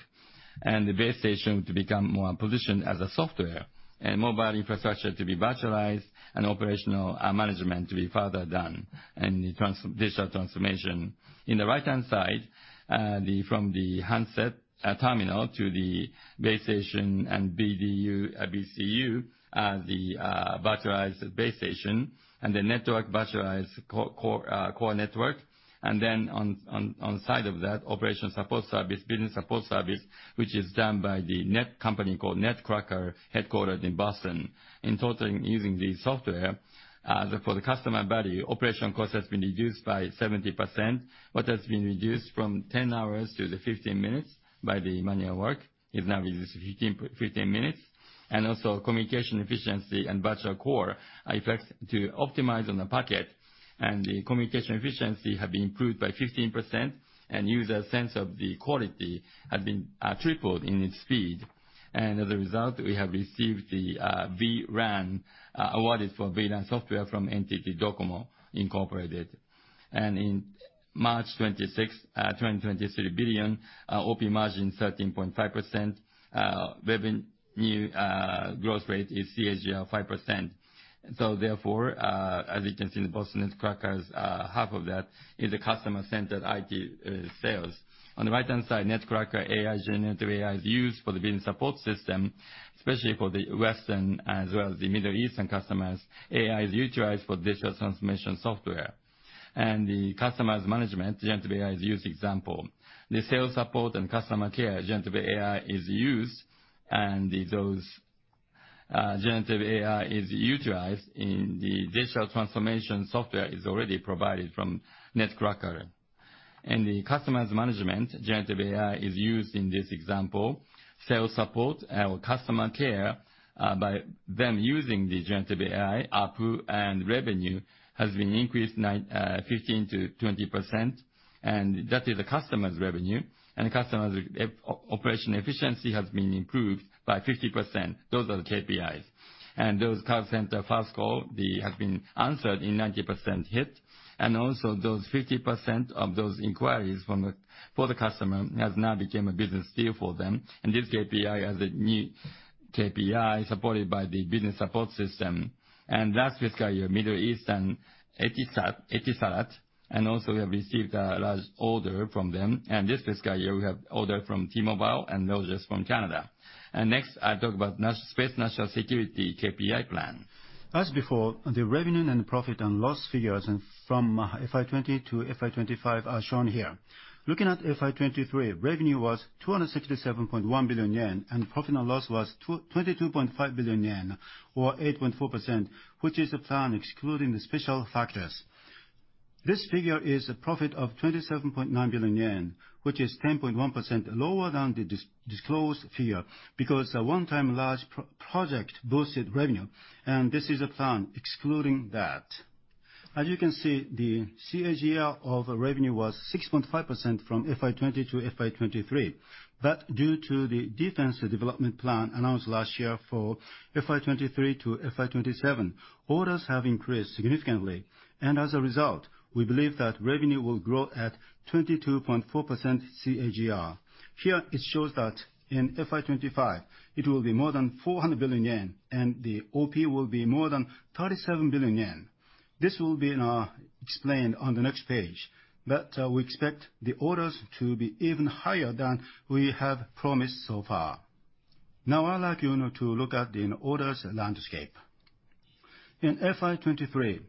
and the base station to become more positioned as a software, and mobile infrastructure to be virtualized and operational management to be further done in the digital transformation. In the right-hand side, the, from the handset terminal to the base station and vDU, vCU, the virtualized base station and the network virtualized core network. And then on the side of that, operation support service, business support service, which is done by the NEC company called Netcracker, headquartered in Boston. In total, using the software, for the customer value, operation cost has been reduced by 70%. What has been reduced from 10 hours to 15 minutes by the manual work, is now reduced to 15 minutes. Also, communication efficiency and virtual core affects to optimize on the packet, and the communication efficiency have been improved by 15%, and user sense of the quality have been, tripled in its speed. As a result, we have received the vRAN award for vRAN software from NTT DOCOMO, Incorporated. In March 2026, 223 billion, OP margin 13.5%, revenue growth rate is CAGR 5%. Therefore, as you can see, in the Boston Netcracker's, half of that is the customer-centered IT sales. On the right-hand side, Netcracker AI, generative AI, is used for the business support system, especially for the Western as well as the Middle Eastern customers. AI is utilized for digital transformation software. And the customers management, generative AI is used example. The sales support and customer care, generative AI is used, and those, generative AI is utilized in the digital transformation software is already provided from Netcracker. In the customers management, generative AI is used in this example. Sales support or customer care, by them using the generative AI, ARPU and revenue has been increased 15% to 20%, and that is the customer's revenue, and the customer's operational efficiency has been improved by 50%. Those are the KPIs. Those call center first call has been answered in 90% hit, and also those 50% of those inquiries from for the customer has now became a business deal for them. And this KPI is a new KPI supported by the business support system. And last fiscal year, Middle East and Etisalat, and also we have received a large order from them. And this fiscal year, we have order from T-Mobile and Rogers from Canada. And next, I'll talk about space national security KPI plan. As before, the revenue and profit and loss figures from FY 2020 to FY 2025 are shown here. Looking at FY 2023, revenue was 267.1 billion yen, and profit and loss was 22.5 billion yen, or 8.4%, which is the plan excluding the special factors. This figure is a profit of 27.9 billion yen, which is 10.1% lower than the disclosed figure, because a one-time large project boosted revenue, and this is a plan excluding that. As you can see, the CAGR of revenue was 6.5% from FY 2020 to FY 2023. But due to the defense development plan announced last year for FY 2023 to FY 2027, orders have increased significantly, and as a result, we believe that revenue will grow at 22.4% CAGR. Here, it shows that in FY 2025, it will be more than 400 billion yen, and the OP will be more than 37 billion yen. This will be explained on the next page, but we expect the orders to be even higher than we have promised so far. Now, I'd like you to look at the orders landscape. In FY 2023,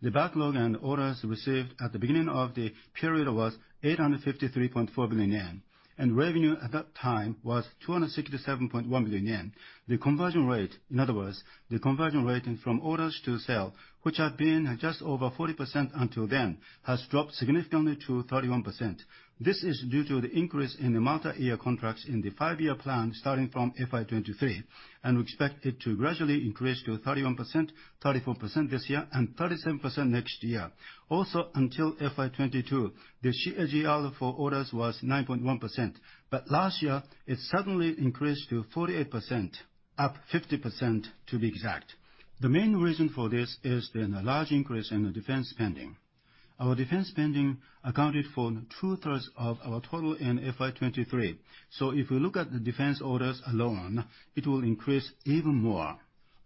the backlog and orders received at the beginning of the period was 853.4 billion yen, and revenue at that time was 267.1 billion yen. The conversion rate, in other words, the conversion rate from orders to sale, which had been just over 40% until then, has dropped significantly to 31%. This is due to the increase in the multi-year contracts in the five-year plan starting from FY 2023, and we expect it to gradually increase to 31%, 34% this year, and 37% next year. Also, until FY 2022, the CAGR for orders was 9.1%, but last year, it suddenly increased to 48%, up 50% to be exact. The main reason for this is the large increase in the defense spending. Our defense spending accounted for 2/3 of our total in FY 2023. So if we look at the defense orders alone, it will increase even more.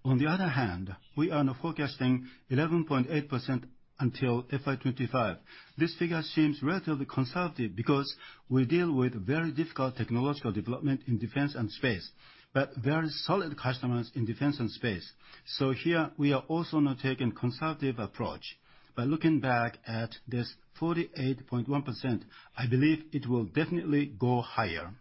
On the other hand, we are now forecasting 11.8% until FY 2025. This figure seems relatively conservative, because we deal with very difficult technological development in defense and space, but very solid customers in defense and space. Here, we are also now taking a conservative approach. By looking back at this 48.1%, I believe it will definitely go higher.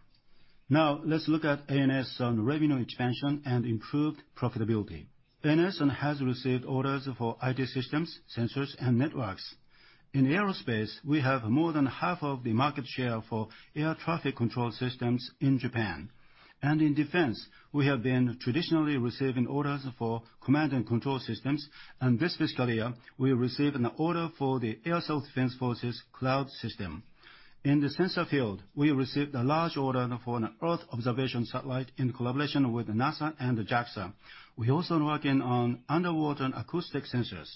Now, let's look at ANS on revenue expansion and improved profitability. ANS has received orders for IT systems, sensors, and networks. In aerospace, we have more than half of the market share for air traffic control systems in Japan. In defense, we have been traditionally receiving orders for command and control systems, and this fiscal year, we received an order for the Air Self-Defense Forces cloud system. In the sensor field, we received a large order for an Earth observation satellite in collaboration with NASA and the JAXA. We're also working on underwater and acoustic sensors.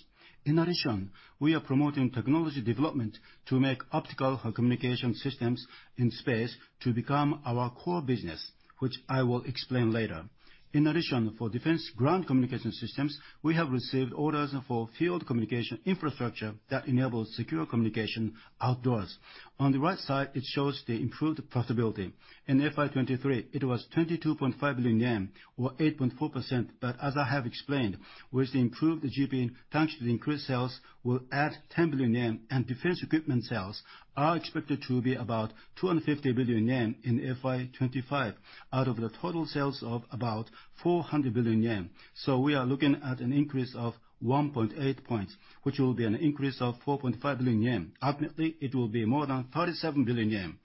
In addition, we are promoting technology development to make optical communication systems in space to become our core business, which I will explain later. In addition, for defense ground communication systems, we have received orders for field communication infrastructure that enables secure communication outdoors. On the right side, it shows the improved profitability. In FY 2023, it was 22.5 billion yen, or 8.4%, but as I have explained, with the improved GP, thanks to the increased sales, will add 10 billion yen, and defense equipment sales are expected to be about 250 billion yen in FY 2025, out of the total sales of about 400 billion yen. So we are looking at an increase of 1.8 points, which will be an increase of 4.5 billion yen. Ultimately, it will be more than 37 billion yen.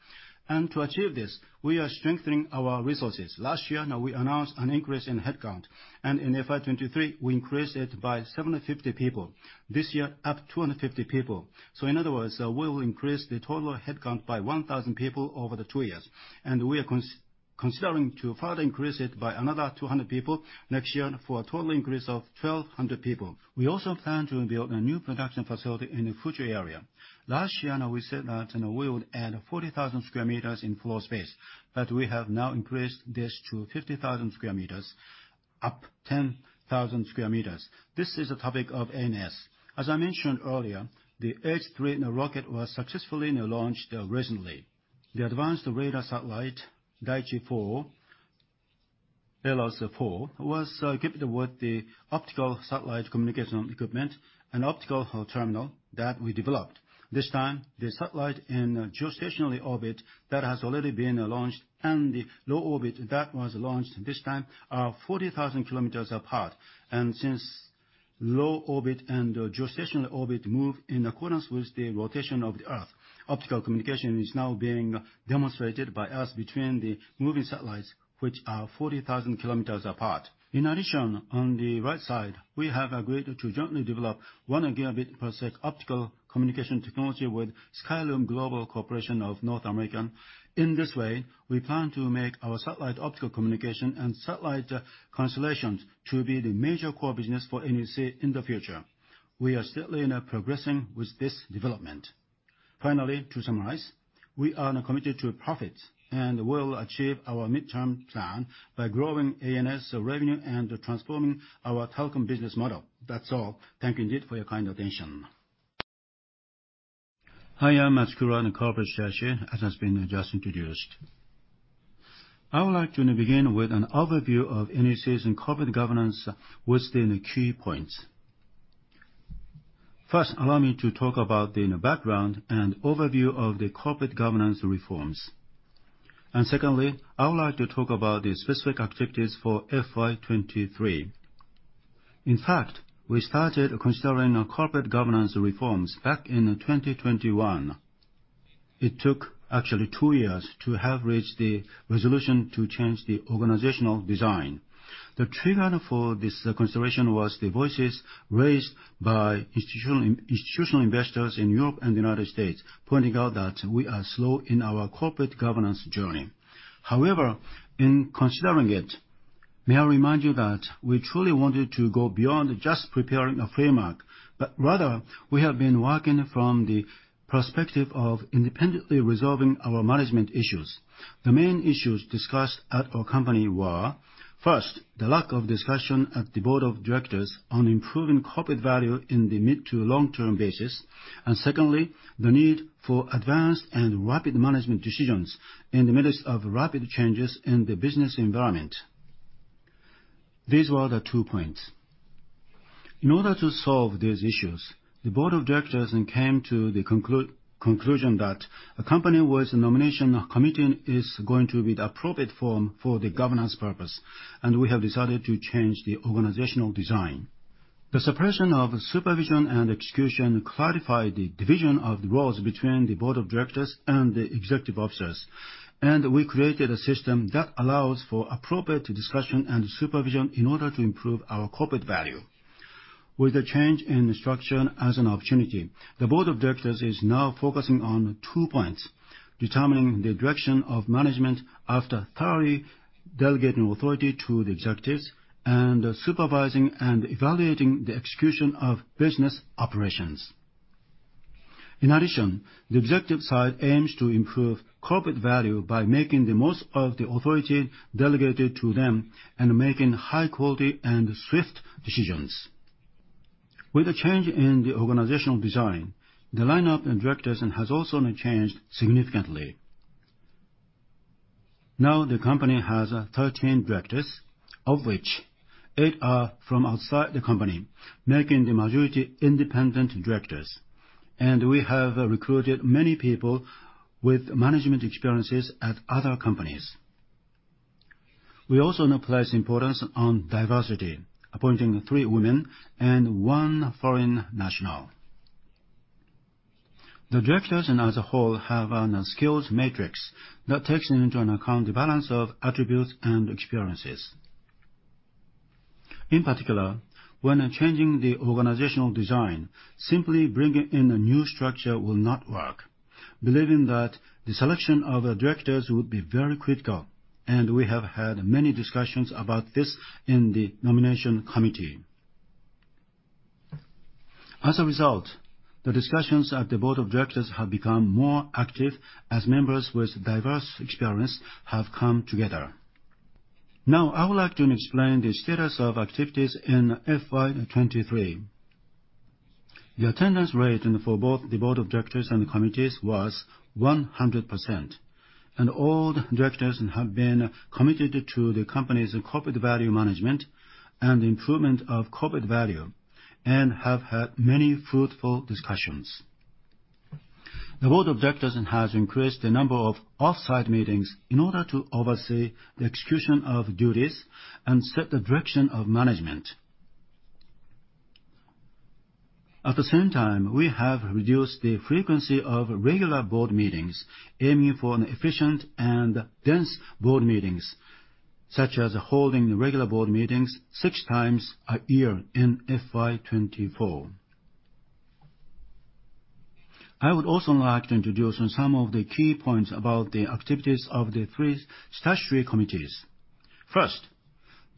And to achieve this, we are strengthening our resources. Last year we announced an increase in headcount, and in FY 2023, we increased it by 750 people. This year, up 250 people. So in other words, we will increase the total headcount by 1,000 people over the two years, and we are considering to further increase it by another 200 people next year for a total increase of 1,200 people. We also plan to build a new production facility in the Fuchu area. Last year we said that, you know, we would add 40,000 sq m in floor space, but we have now increased this to 50,000 sq m, up 10,000 sq m. This is a topic of ANS. As I mentioned earlier, the H3, you know, rocket was successfully, you know, launched recently. The advanced radar satellite, DAICHI-4, ALOS-4, was equipped with the optical satellite communication equipment and optical terminal that we developed. This time, the satellite in geostationary orbit that has already been launched, and the low orbit that was launched this time, are 40,000 km apart. And since low orbit and geostationary orbit move in accordance with the rotation of the Earth, optical communication is now being demonstrated by us between the moving satellites, which are 40,000 km apart. In addition, on the right side, we have agreed to jointly develop 1 Gb per sec optical communication technology with Skyloom Global Corporation of North America. In this way, we plan to make our satellite optical communication and satellite constellations to be the major core business for NEC in the future. We are steadily, you know, progressing with this development. Finally, to summarize, we are now committed to profits, and we will achieve our midterm plan by growing ANS revenue and transforming our telecom business model. That's all. Thank you indeed for your kind attention. Hi, I'm Matsukura, the Corporate Secretary, as has been just introduced. I would like to begin with an overview of NEC's corporate governance with the key points. First, allow me to talk about the, you know, background and overview of the corporate governance reforms. Secondly, I would like to talk about the specific activities for FY 2023. In fact, we started considering our corporate governance reforms back in 2021. It took actually two years to have reached the resolution to change the organizational design. The trigger for this consideration was the voices raised by institutional investors in Europe and the United States, pointing out that we are slow in our corporate governance journey. However, in considering it, may I remind you that we truly wanted to go beyond just preparing a framework, but rather, we have been working from the perspective of independently resolving our management issues. The main issues discussed at our company were, first, the lack of discussion at the Board of Directors on improving corporate value in the mid- to long-term basis. And secondly, the need for advanced and rapid management decisions in the midst of rapid changes in the business environment. These were the two points. In order to solve these issues, the Board of Directors then came to the conclusion that a company with a Nomination Committee is going to be the appropriate form for the governance purpose, and we have decided to change the organizational design. The separation of supervision and execution clarified the division of the roles between the Board of Directors and the executive officers, and we created a system that allows for appropriate discussion and supervision in order to improve our corporate value. With the change in the structure as an opportunity, the Board of Directors is now focusing on two points: determining the direction of management after thoroughly delegating authority to the executives, and supervising and evaluating the execution of business operations. In addition, the executive side aims to improve corporate value by making the most of the authority delegated to them and making high quality and swift decisions. With the change in the organizational design, the lineup in directors has also now changed significantly. Now, the company has 13 directors, of which 8 are from outside the company, making the majority independent directors. And we have recruited many people with management experiences at other companies. We also now place importance on diversity, appointing three women and one foreign national. The directors as a whole have a skills matrix that takes into account the balance of attributes and experiences. In particular, when changing the organizational design, simply bringing in a new structure will not work, believing that the selection of the directors will be very critical, and we have had many discussions about this in the Nomination Committee. As a result, the discussions at the Board of Directors have become more active as members with diverse experience have come together. Now, I would like to explain the status of activities in FY 2023. The attendance rate for both the Board of Directors and the committees was 100%, and all the directors have been committed to the company's corporate value management and improvement of corporate value, and have had many fruitful discussions. The Board of Directors has increased the number of off-site meetings in order to oversee the execution of duties and set the direction of management. At the same time, we have reduced the frequency of regular board meetings, aiming for an efficient and dense board meetings, such as holding regular board meetings six times a year in FY 2024 I would also like to introduce some of the key points about the activities of the three statutory committees. First,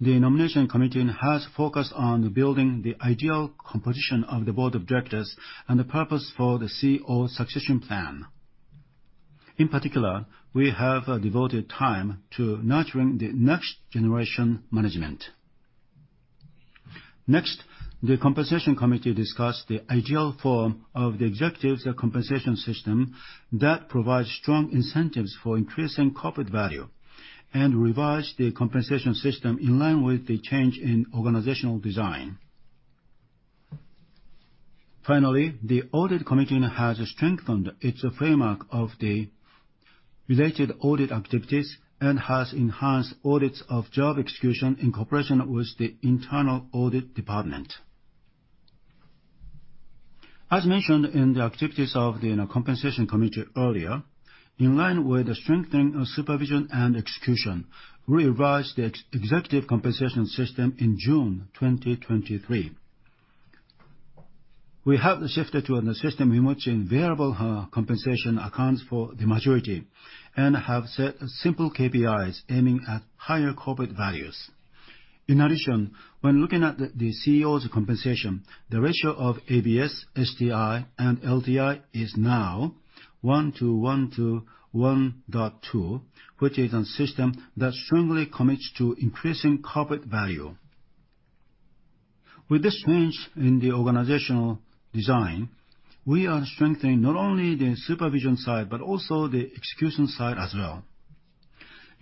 the Nomination Committee has focused on building the ideal composition of the Board of Directors and the purpose for the CEO succession plan. In particular, we have devoted time to nurturing the next generation management. Next, the Compensation Committee discussed the ideal form of the executives' compensation system that provides strong incentives for increasing corporate value, and revised the compensation system in line with the change in organizational design. Finally, the Audit Committee has strengthened its framework of the related audit activities and has enhanced audits of job execution in cooperation with the Internal Audit Department. As mentioned in the activities of the Compensation Committee earlier, in line with the strengthening of supervision and execution, we revised the executive compensation system in June 2023. We have shifted to a system in which variable compensation accounts for the majority and have set simple KPIs aiming at higher corporate values. In addition, when looking at the CEO's compensation, the ratio of base, STI, and LTI is now 1 to 1 to 1.2, which is a system that strongly commits to increasing corporate value. With this change in the organizational design, we are strengthening not only the supervision side, but also the execution side as well.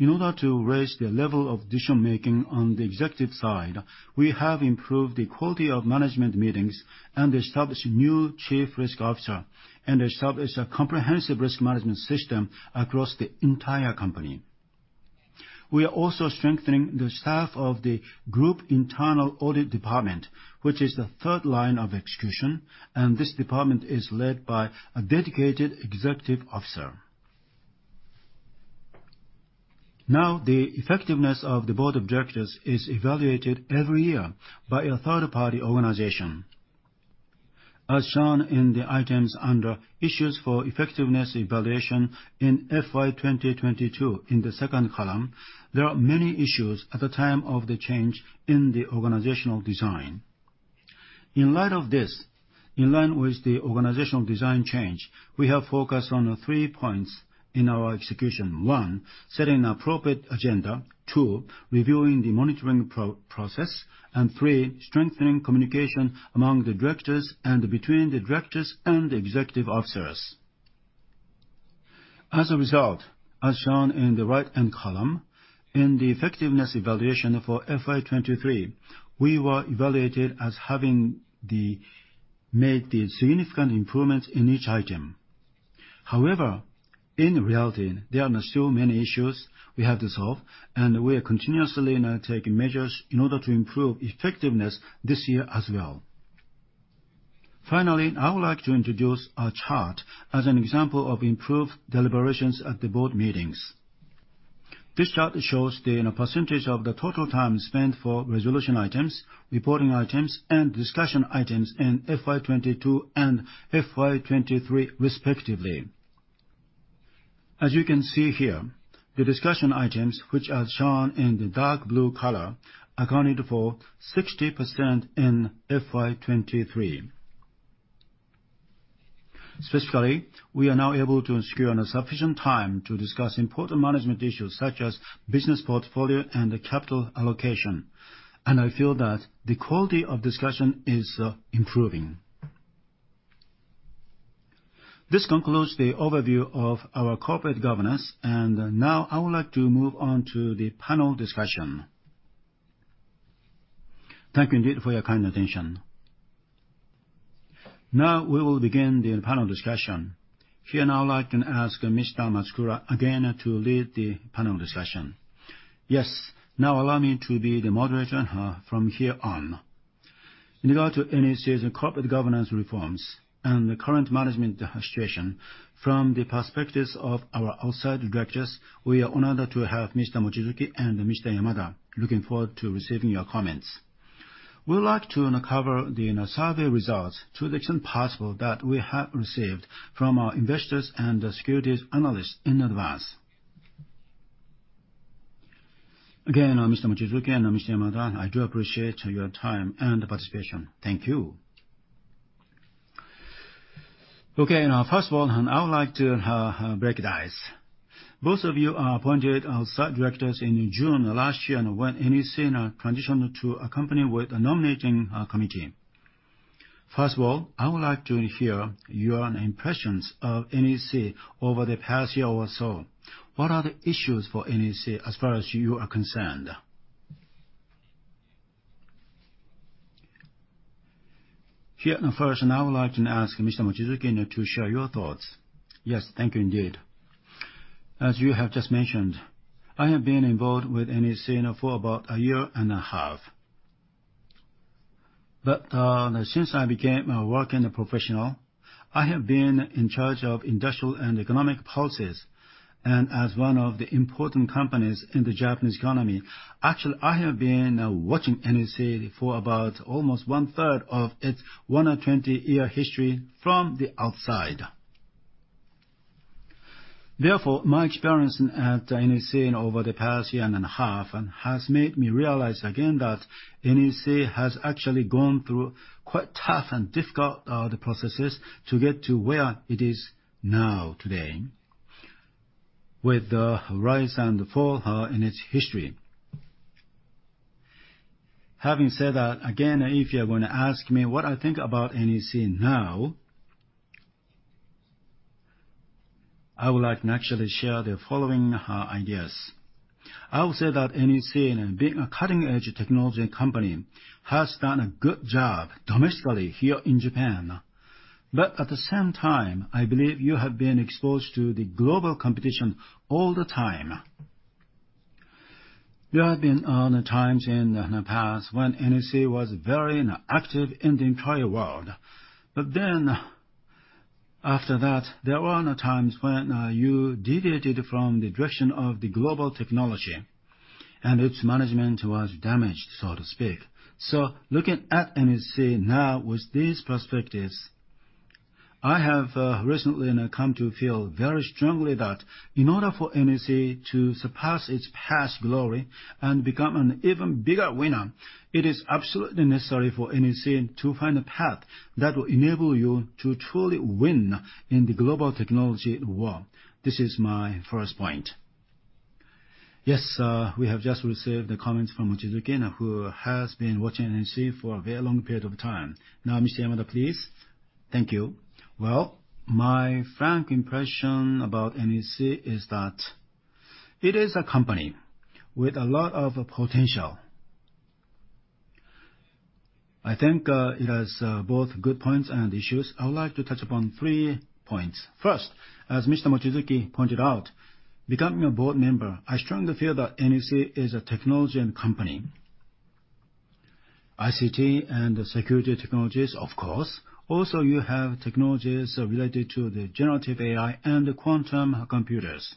In order to raise the level of decision-making on the executive side, we have improved the quality of management meetings and established a new Chief Risk Officer, and established a comprehensive risk management system across the entire company. We are also strengthening the staff of the group Internal Audit Department, which is the third line of defense, and this department is led by a dedicated Executive Officer. Now, the effectiveness of the Board of Directors is evaluated every year by a third-party organization. As shown in the items under Issues for Effectiveness Evaluation in FY 2022, in the second column, there are many issues at the time of the change in the organizational design. In light of this, in line with the organizational design change, we have focused on the three points in our execution: one, setting an appropriate agenda; two, reviewing the monitoring process; and three, strengthening communication among the directors and between the directors and the executive officers. As a result, as shown in the right-hand column, in the effectiveness evaluation for FY 2023, we were evaluated as having made significant improvements in each item. However, in reality, there are still many issues we have to solve, and we are continuously now taking measures in order to improve effectiveness this year as well. Finally, I would like to introduce a chart as an example of improved deliberations at the board meetings. This chart shows the, you know, percentage of the total time spent for resolution items, reporting items, and discussion items in FY 2022 and FY 2023, respectively. As you can see here, the discussion items, which are shown in the dark blue color, accounted for 60% in FY 2023. Specifically, we are now able to secure a sufficient time to discuss important management issues such as business portfolio and the capital allocation, and I feel that the quality of discussion is improving. This concludes the overview of our corporate governance, and now I would like to move on to the panel discussion. Thank you indeed for your kind attention. Now, we will begin the panel discussion. Here, now I'd like to ask Mr. Matsukura again to lead the panel discussion. Yes, now allow me to be the moderator, from here on. In regard to NEC's corporate governance reforms and the current management situation from the perspectives of our outside directors, we are honored to have Mr. Mochizuki and Mr. Yamada. Looking forward to receiving your comments. We would like to cover the survey results to the extent possible that we have received from our investors and the securities analysts in advance. Again, Mr. Mochizuki and Mr. Yamada, I do appreciate your time and participation. Thank you. Okay, now, first of all, I would like to recognize. Both of you are appointed as outside directors in June of last year, and when NEC transitioned to a company with a Nominating Committee. First of all, I would like to hear your impressions of NEC over the past year or so. What are the issues for NEC as far as you are concerned? Here, first, I would like to ask Mr. Mochizuki to share your thoughts. Yes, thank you indeed. As you have just mentioned, I have been involved with NEC now for about a year and a half. But, since I became a working professional, I have been in charge of industrial and economic policies, and as one of the important companies in the Japanese economy, actually, I have been watching NEC for about almost 1/3 of its 120 year history from the outside. Therefore, my experience at NEC over the past year and a half has made me realize again that NEC has actually gone through quite tough and difficult the processes to get to where it is now, today, with the rise and fall in its history. Having said that, again, if you're going to ask me what I think about NEC now, I would like to actually share the following ideas. I would say that NEC, being a cutting-edge technology company, has done a good job domestically here in Japan. But at the same time, I believe you have been exposed to the global competition all the time. There have been times in the past when NEC was very active in the entire world. But then, after that, there were times when you deviated from the direction of the global technology, and its management was damaged, so to speak. So looking at NEC now with these perspectives, I have recently come to feel very strongly that in order for NEC to surpass its past glory and become an even bigger winner, it is absolutely necessary for NEC to find a path that will enable you to truly win in the global technology world. This is my first point. Yes, we have just received the comments from Mochizuki, who has been watching NEC for a very long period of time. Now, Mr. Yamada, please. Thank you. Well, my frank impression about NEC is that it is a company with a lot of potential. I think it has both good points and issues. I would like to touch upon three points. First, as Mr. Mochizuki pointed out, becoming a board member, I strongly feel that NEC is a technology company. ICT and security technologies, of course. Also, you have technologies related to the generative AI and quantum computers.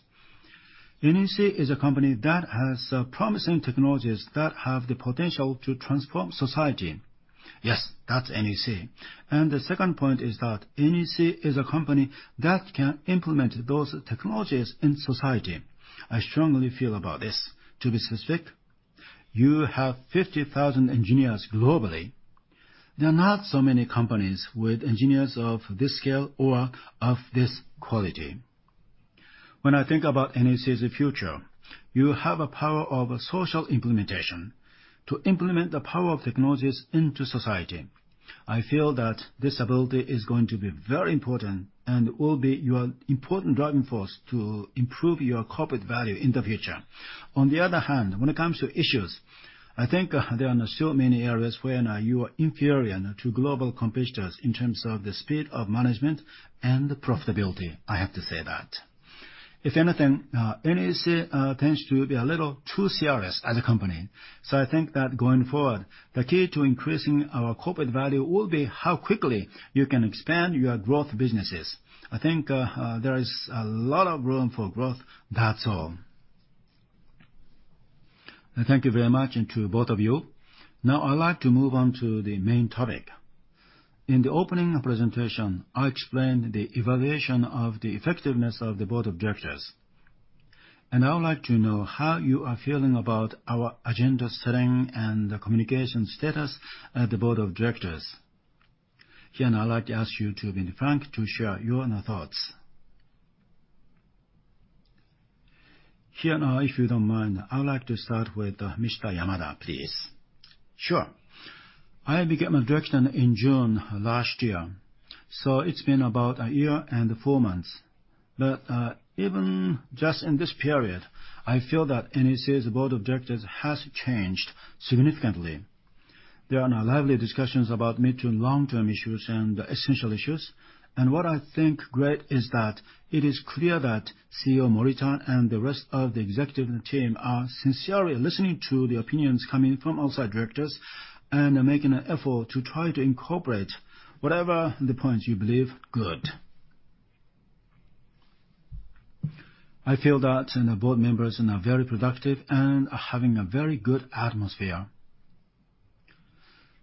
NEC is a company that has promising technologies that have the potential to transform society. Yes, that's NEC. And the second point is that NEC is a company that can implement those technologies in society. I strongly feel about this. To be specific, you have 50,000 engineers globally. There are not so many companies with engineers of this scale or of this quality. When I think about NEC's future, you have a power of social implementation to implement the power of technologies into society. I feel that this ability is going to be very important and will be your important driving force to improve your corporate value in the future. On the other hand, when it comes to issues, I think there are so many areas where you are inferior to global competitors in terms of the speed of management and profitability. I have to say that. If anything, NEC tends to be a little too serious as a company. So I think that going forward, the key to increasing our corporate value will be how quickly you can expand your growth businesses. I think there is a lot of room for growth. That's all. Thank you very much, and to both of you. Now I'd like to move on to the main topic. In the opening presentation, I explained the evaluation of the effectiveness of the Board of Directors, and I would like to know how you are feeling about our agenda setting and the communication status at the Board of Directors. Here, now, I'd like to ask you to be frank, to share your thoughts. Here, now, if you don't mind, I would like to start with, Mr. Yamada, please. Sure. I became a director in June last year, so it's been about a year and four months. But even just in this period, I feel that NEC's Board of Directors has changed significantly. There are now lively discussions about mid to long-term issues and essential issues, and what I think great is that it is clear that CEO Morita and the rest of the executive team are sincerely listening to the opinions coming from outside directors, and are making an effort to try to incorporate whatever the points you believe good. I feel that the board members are now very productive and are having a very good atmosphere.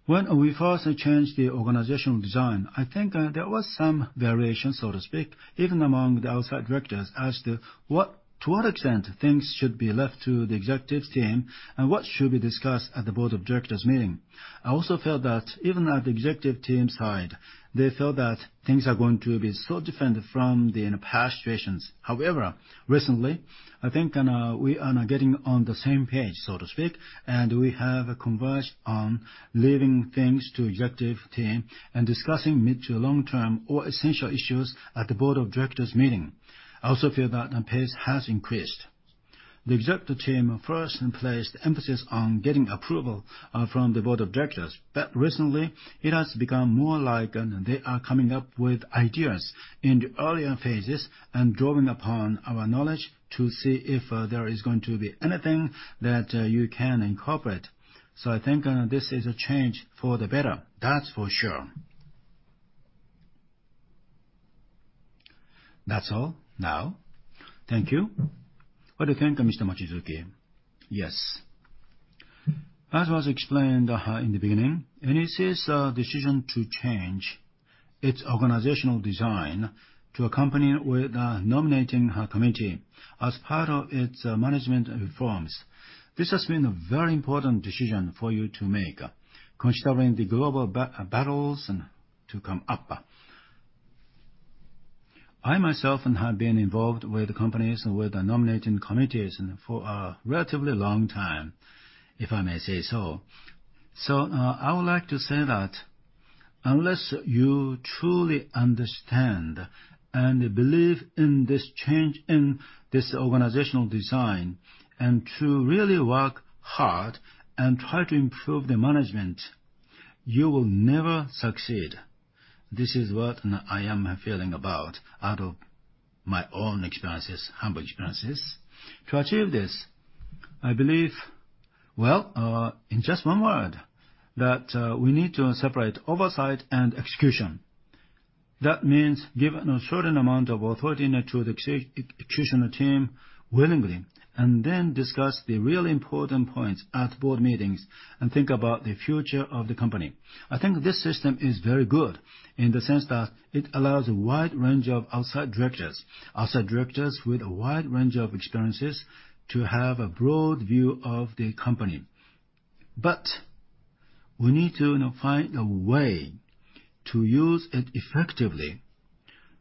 When we first changed the organizational design, I think, there was some variation, so to speak, even among the outside directors as to what to what extent things should be left to the executive team and what should be discussed at the Board of Directors meeting. I also felt that even at the executive team side, they felt that things are going to be so different from the in the past situations. However, recently, I think, we are now getting on the same page, so to speak, and we have converged on leaving things to executive team and discussing mid to long-term or essential issues at the Board of Directors meeting. I also feel that the pace has increased. The executive team first placed emphasis on getting approval from the Board of Directors, but recently it has become more like they are coming up with ideas in the earlier phases and drawing upon our knowledge to see if there is going to be anything that you can incorporate. So I think this is a change for the better, that's for sure. That's all now. Thank you. Well, thank you. Mr. Mochizuki. Yes. As was explained in the beginning, NEC's decision to change its organizational design to accompany with Nominating Committee as part of its management reforms, this has been a very important decision for you to make, considering the global battles and to come up. I, myself, have been involved with companies with the nominating committees and for a relatively long time, if I may say so. I would like to say that unless you truly understand and believe in this change in this organizational design, and to really work hard and try to improve the management, you will never succeed. This is what I am feeling about out of my own experiences, humble experiences. To achieve this, I believe, in just one word, that we need to separate oversight and execution. That means giving a certain amount of authority to the execution team willingly, and then discuss the really important points at board meetings and think about the future of the company. I think this system is very good in the sense that it allows a wide range of outside directors with a wide range of experiences to have a broad view of the company. But we need to, you know, find a way to use it effectively.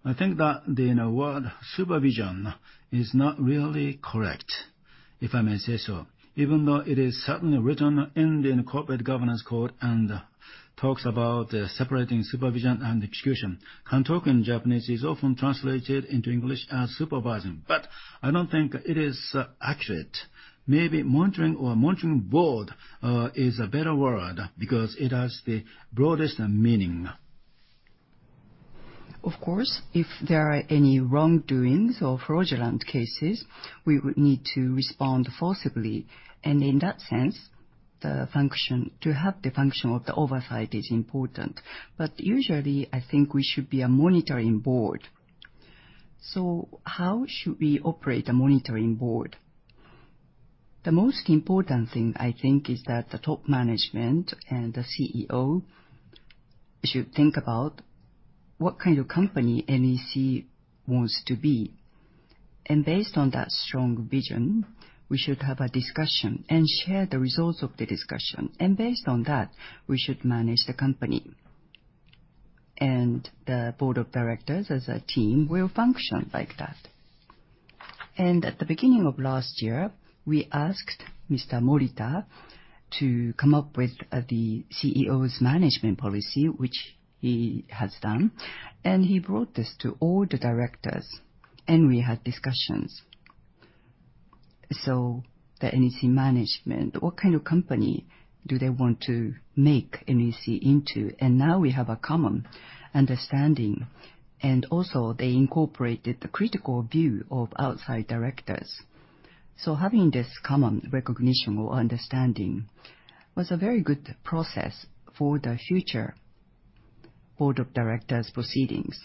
I think that the, you know, word supervision is not really correct, if I may say so, even though it is certainly written in the corporate governance code and talks about separating supervision and execution. Kantoku in Japanese is often translated into English as supervising, but I don't think it is accurate. Maybe monitoring or monitoring board is a better word, because it has the broadest meaning. Of course, if there are any wrongdoings or fraudulent cases, we would need to respond forcibly, and in that sense, the function, to have the function of the oversight is important. But usually, I think we should be a monitoring board. So how should we operate a monitoring board? The most important thing, I think, is that the top management and the CEO should think about what kind of company NEC wants to be, and based on that strong vision, we should have a discussion and share the results of the discussion, and based on that, we should manage the company. And the Board of Directors, as a team, will function like that. And at the beginning of last year, we asked Mr. Morita to come up with the CEO's management policy, which he has done, and he brought this to all the directors, and we had discussions. So the NEC management, what kind of company do they want to make NEC into? And now we have a common understanding, and also they incorporated the critical view of outside directors. So having this common recognition or understanding was a very good process for the future Board of Directors proceedings.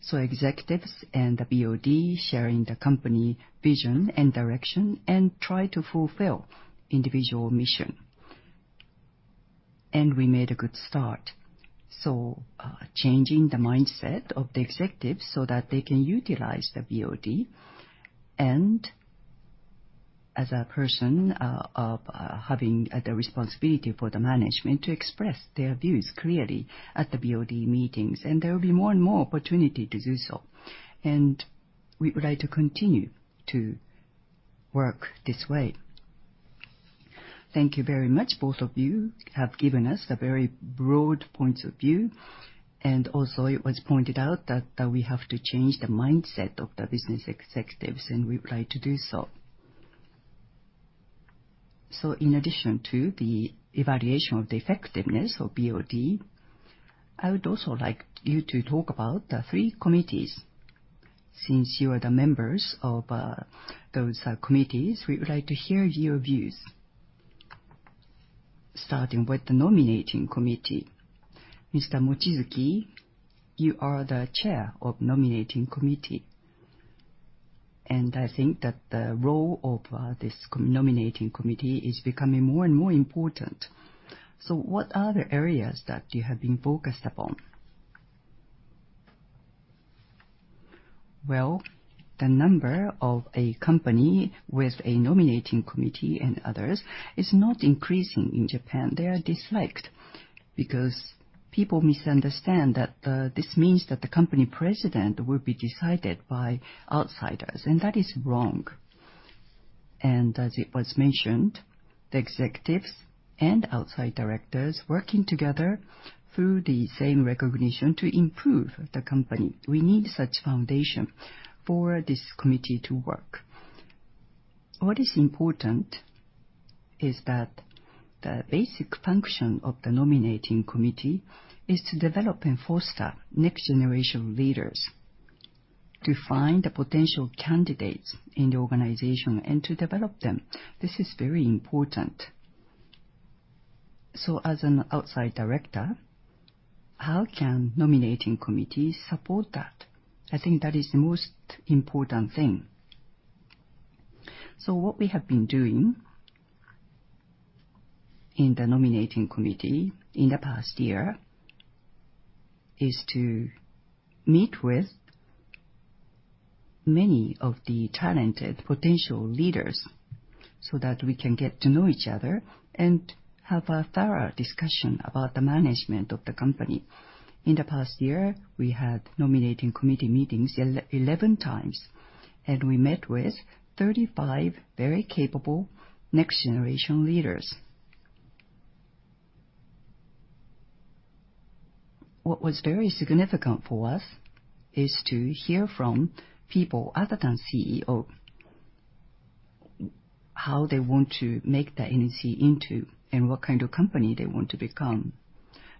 So executives and the BOD sharing the company vision and direction, and try to fulfill individual mission. And we made a good start. So, changing the mindset of the executives so that they can utilize the BOD, and as a person having the responsibility for the management, to express their views clearly at the BOD meetings, and there will be more and more opportunity to do so, and we would like to continue to work this way. Thank you very much, both of you have given us a very broad points of view, and also it was pointed out that we have to change the mindset of the business executives, and we would like to do so. So in addition to the evaluation of the effectiveness of BOD, I would also like you to talk about the three committees. Since you are the members of those committees, we would like to hear your views. Starting with the Nominating Committee, Mr. Mochizuki, you are the chair of Nominating Committee, and I think that the role of this Nominating Committee is becoming more and more important. So what are the areas that you have been focused upon? Well, the number of a company with a Nominating Committee and others is not increasing in Japan. They are disliked, because people misunderstand that this means that the company president will be decided by outsiders, and that is wrong. And as it was mentioned, the executives and outside directors working together through the same recognition to improve the company. We need such foundation for this committee to work. What is important is that the basic function of the Nominating Committee is to develop and foster next-generation leaders, to find the potential candidates in the organization and to develop them. This is very important. So as an outside director, how can Nominating Committees support that? I think that is the most important thing. So what we have been doing in the Nominating Committee in the past year is to meet with many of the talented potential leaders so that we can get to know each other and have a thorough discussion about the management of the company. In the past year, we had Nominating Committee meetings 11 times, and we met with 35 very capable next-generation leaders. What was very significant for us is to hear from people other than CEO how they want to make the NEC into and what kind of company they want to become.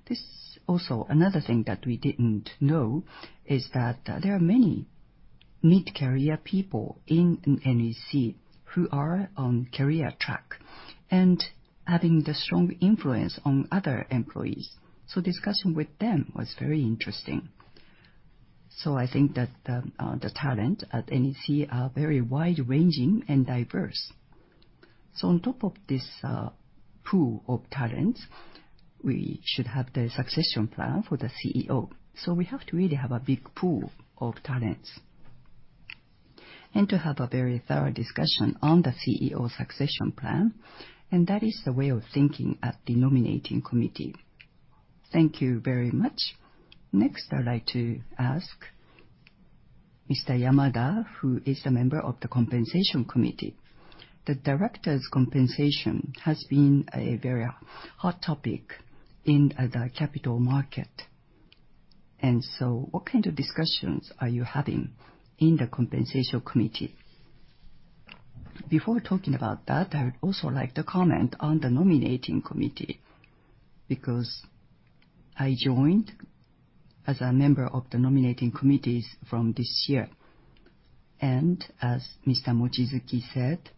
This also another thing that we didn't know is that there are many mid-career people in NEC who are on career track and having the strong influence on other employees. So discussion with them was very interesting. So I think that the talent at NEC are very wide-ranging and diverse. So on top of this pool of talents, we should have the succession plan for the CEO. So we have to really have a big pool of talents, and to have a very thorough discussion on the CEO succession plan, and that is the way of thinking at the Nominating Committee. Thank you very much. Next, I'd like to ask Mr. Yamada, who is a member of the Compensation Committee. The director's compensation has been a very hot topic in the capital market, and so what kind of discussions are you having in the Compensation Committee? Before talking about that, I would also like to comment on the Nominating Committee, because I joined as a member of the Nominating Committees from this year. And as Mr. Mochizuki said,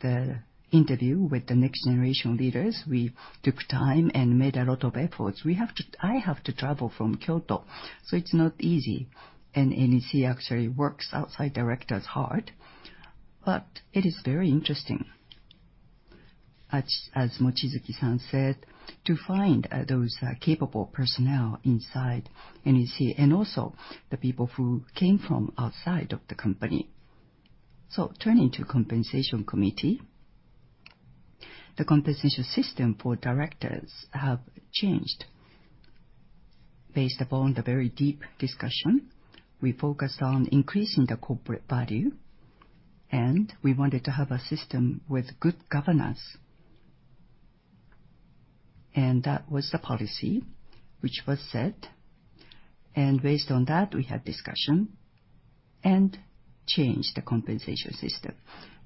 the interview with the next-generation leaders, we took time and made a lot of efforts. I have to travel from Kyoto, so it's not easy, and NEC actually works outside directors hard, but it is very interesting. As Mochizuki-san said, to find those capable personnel inside NEC, and also the people who came from outside of the company. Turning to Compensation Committee, the compensation system for directors have changed. Based upon the very deep discussion, we focused on increasing the corporate value, and we wanted to have a system with good governance. That was the policy which was set, and based on that, we had discussion and changed the compensation system.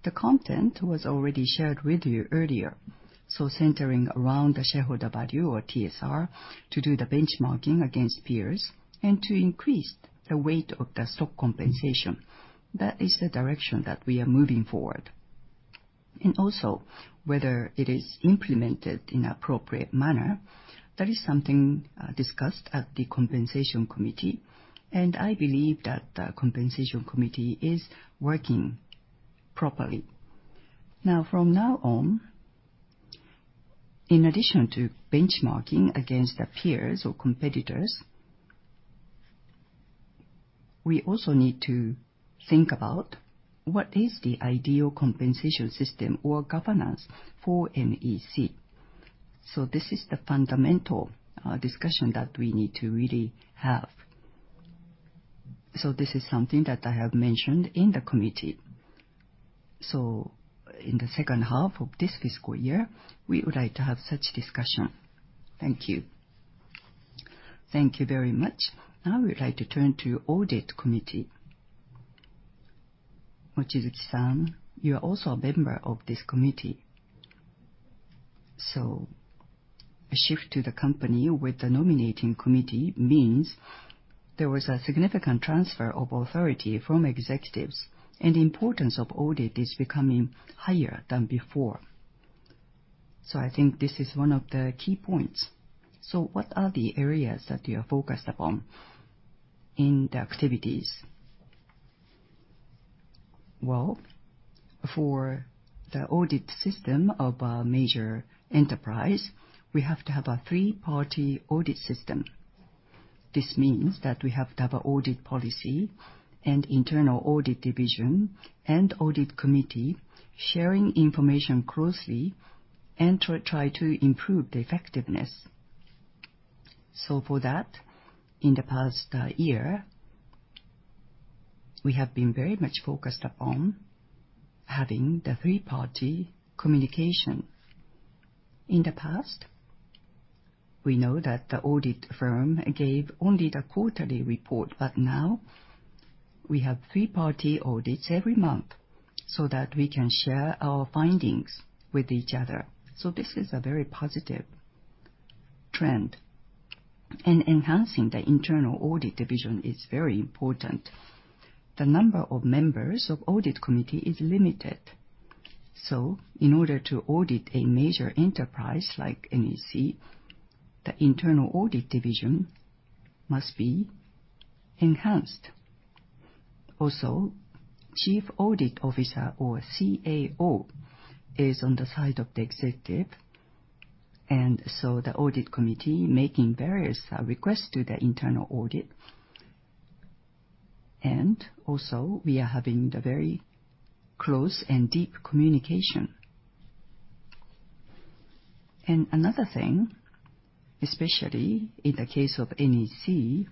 The content was already shared with you earlier, so centering around the shareholder value or TSR, to do the benchmarking against peers and to increase the weight of the stock compensation. That is the direction that we are moving forward. And also, whether it is implemented in appropriate manner, that is something discussed at the Compensation Committee, and I believe that the Compensation Committee is working properly. Now, from now on, in addition to benchmarking against the peers or competitors, we also need to think about what is the ideal compensation system or governance for NEC. So this is the fundamental discussion that we need to really have. So this is something that I have mentioned in the committee. So in the second half of this fiscal year, we would like to have such discussion. Thank you. Thank you very much. Now we would like to turn to Audit Committee. Mochizuki-san, you are also a member of this committee, so a shift to the company with the Nominating Committee means there was a significant transfer of authority from executives, and the importance of audit is becoming higher than before, so I think this is one of the key points, so what are the areas that you are focused upon in the activities? Well, for the audit system of a major enterprise, we have to have a three-party audit system. This means that we have to have an audit policy and Internal Audit Division, and Audit Committee sharing information closely, and try to improve the effectiveness. So for that, in the past year, we have been very much focused upon having the three-party communication. In the past, we know that the audit firm gave only the quarterly report, but now we have three-party audits every month so that we can share our findings with each other. So this is a very positive trend, and enhancing the Internal Audit Division is very important. The number of members of audit committee is limited, so in order to audit a major enterprise like NEC, the Internal Audit Division must be enhanced. Also, Chief Audit Officer, or CAO, is on the side of the executive, and so the audit committee making various requests to the Internal Audit. And also, we are having the very close and deep communication. And another thing, especially in the case of NEC,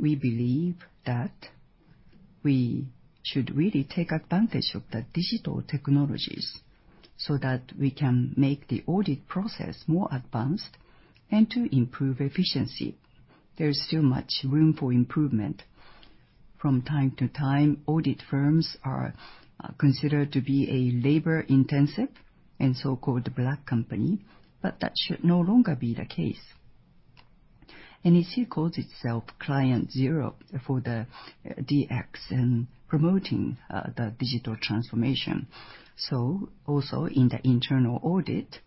we believe that we should really take advantage of the digital technologies so that we can make the audit process more advanced and to improve efficiency. There is still much room for improvement. From time to time, audit firms are considered to be a labor-intensive and so-called black company, but that should no longer be the case. NEC calls itself Client Zero for the DX and promoting the digital transformation. So also, in the Internal Audit,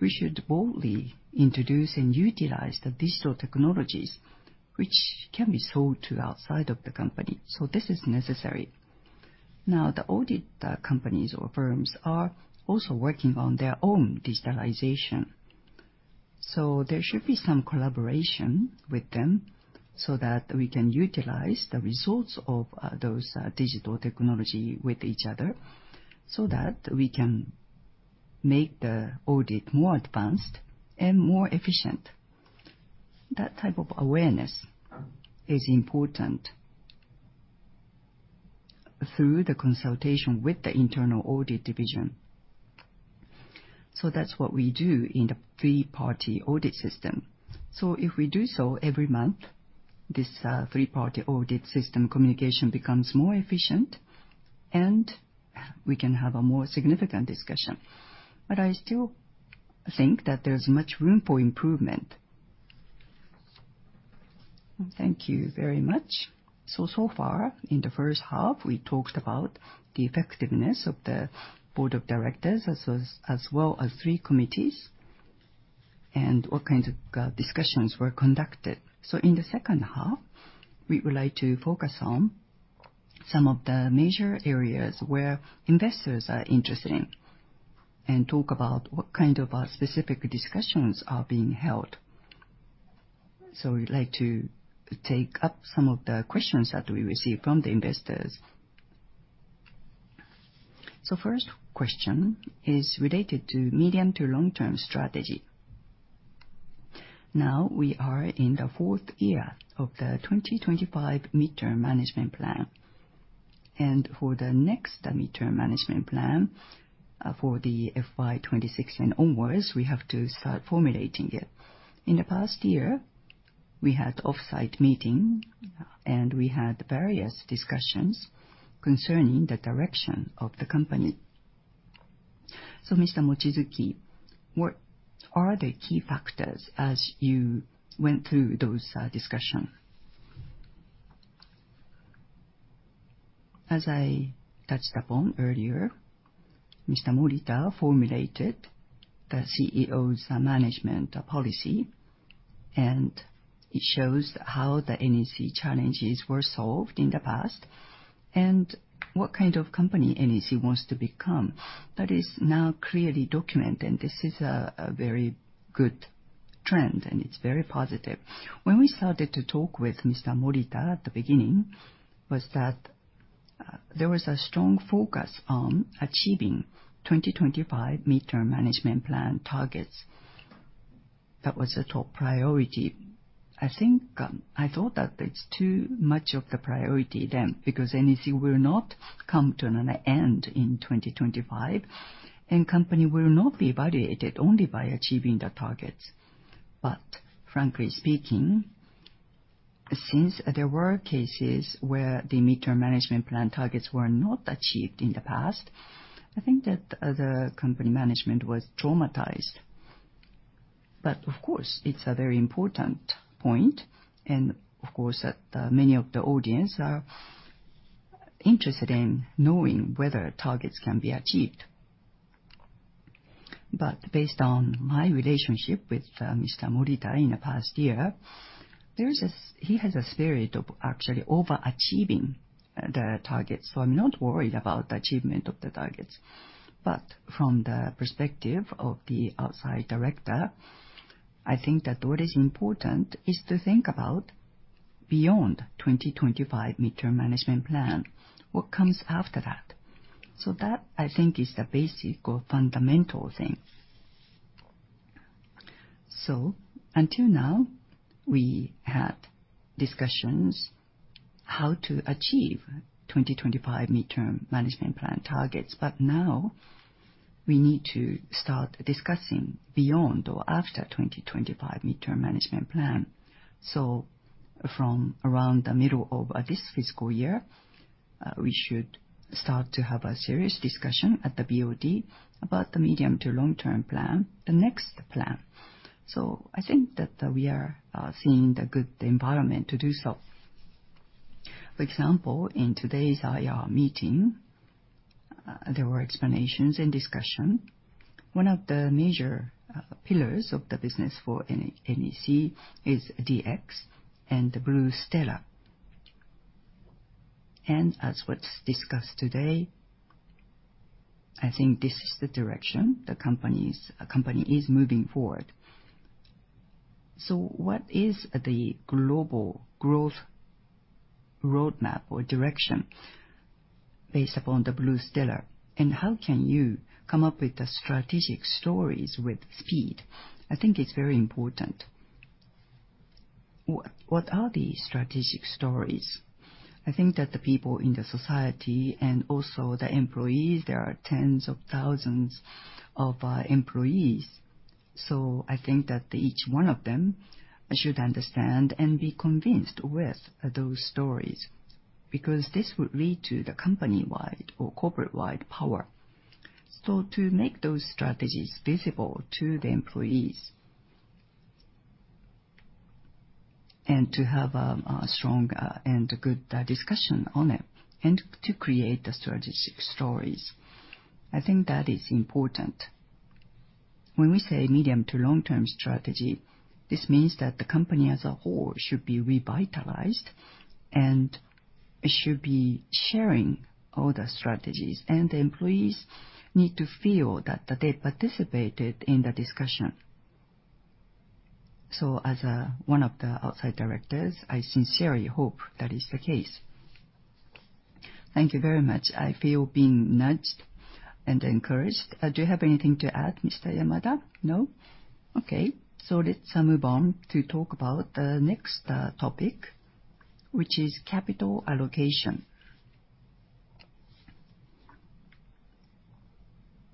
we should boldly introduce and utilize the digital technologies, which can be sold to outside of the company, so this is necessary. Now, the audit companies or firms are also working on their own digitalization, so there should be some collaboration with them so that we can utilize the results of those digital technology with each other, so that we can make the audit more advanced and more efficient. That type of awareness is important through the consultation with the Internal Audit Division. So that's what we do in the three-party audit system. So if we do so every month, this, three-party audit system communication becomes more efficient, and we can have a more significant discussion. But I still think that there's much room for improvement. Thank you very much. So, so far, in the first half, we talked about the effectiveness of the Board of Directors, as well as three committees, and what kinds of discussions were conducted. So in the second half, we would like to focus on some of the major areas where investors are interested in, and talk about what kind of specific discussions are being held. So we'd like to take up some of the questions that we received from the investors. So first question is related to medium to long-term strategy. Now, we are in the fourth year of the 2025 Mid-term Management Plan, and for the next Mid-term Management Plan, for the FY 2026 onwards, we have to start formulating it. In the past year, we had off-site meeting, and we had various discussions concerning the direction of the company. So, Mr. Mochizuki, what are the key factors as you went through those, discussion? As I touched upon earlier, Mr. Morita formulated the CEO's management policy, and it shows how the NEC challenges were solved in the past and what kind of company NEC wants to become. That is now clearly documented, and this is a very good trend, and it's very positive. When we started to talk with Mr. Morita at the beginning, there was a strong focus on achieving 2025 Mid-term Management Plan targets. That was the top priority. I think I thought that it's too much of the priority then, because NEC will not come to an end in 2025, and company will not be evaluated only by achieving the targets. But frankly speaking, since there were cases where the Mid-term Management Plan targets were not achieved in the past, I think that the company management was traumatized. But of course, it's a very important point, and of course, that many of the audience are interested in knowing whether targets can be achieved. But based on my relationship with Mr. Morita in the past year, he has a spirit of actually overachieving the targets, so I'm not worried about the achievement of the targets. But from the perspective of the outside director, I think that what is important is to think about beyond 2025 Mid-term Management Plan, what comes after that? So that, I think, is the basic or fundamental thing. So until now, we had discussions how to achieve 2025 Mid-term Management Plan targets, but now we need to start discussing beyond or after 2025 Mid-term Management Plan. So from around the middle of this fiscal year, we should start to have a serious discussion at the BOD about the medium to long-term plan, the next plan. So I think that we are seeing the good environment to do so. For example, in today's IR meeting, there were explanations and discussion. One of the major pillars of the business for NEC is DX and the BluStellar. As was discussed today, I think this is the direction the company is moving forward. What is the global growth roadmap or direction based upon the BluStellar? How can you come up with the strategic stories with speed? I think it's very important. What are the strategic stories? I think that the people in the society and also the employees, there are tens of thousands of employees, so I think that each one of them should understand and be convinced with those stories, because this would lead to the company-wide or corporate-wide power. To make those strategies visible to the employees, and to have a strong and good discussion on it, and to create the strategic stories, I think that is important. When we say medium to long-term strategy, this means that the company as a whole should be revitalized and should be sharing all the strategies, and the employees need to feel that they participated in the discussion. So as one of the outside directors, I sincerely hope that is the case. Thank you very much. I feel being nudged and encouraged. Do you have anything to add, Mr. Yamada? No? Okay, so let's move on to talk about the next topic, which is capital allocation.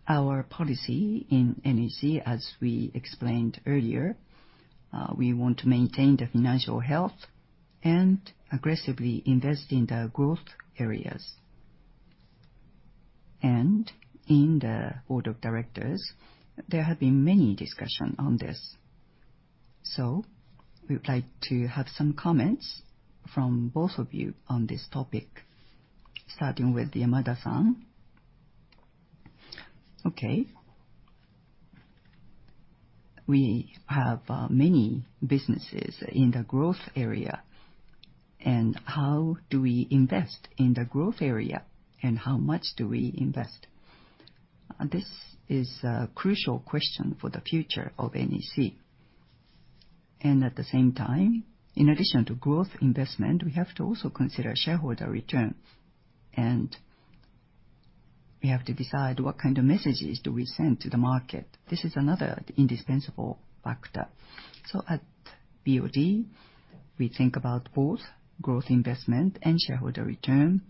Our policy in NEC, as we explained earlier, we want to maintain the financial health and aggressively invest in the growth areas. And in the Board of Directors, there have been many discussion on this. So we would like to have some comments from both of you on this topic, starting with Yamada-san. Okay. We have many businesses in the growth area, and how do we invest in the growth area, and how much do we invest? This is a crucial question for the future of NEC, and at the same time, in addition to growth investment, we have to also consider shareholder return, and we have to decide what kind of messages do we send to the market. This is another indispensable factor, so at BOD, we think about both growth investment and shareholder return,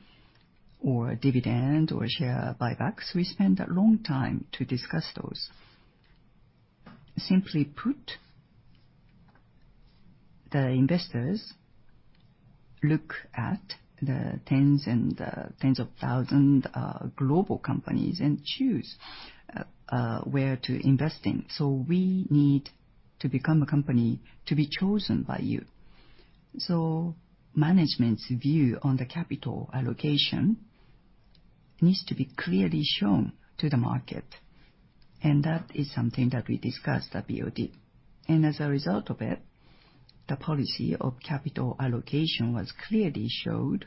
or dividend, or share buybacks. We spend a long time to discuss those. Simply put, the investors look at the tens and tens of thousand global companies and choose where to invest in, so we need to become a company to be chosen by you. Management's view on the capital allocation needs to be clearly shown to the market, and that is something that we discussed at BOD. As a result of it, the policy of capital allocation was clearly showed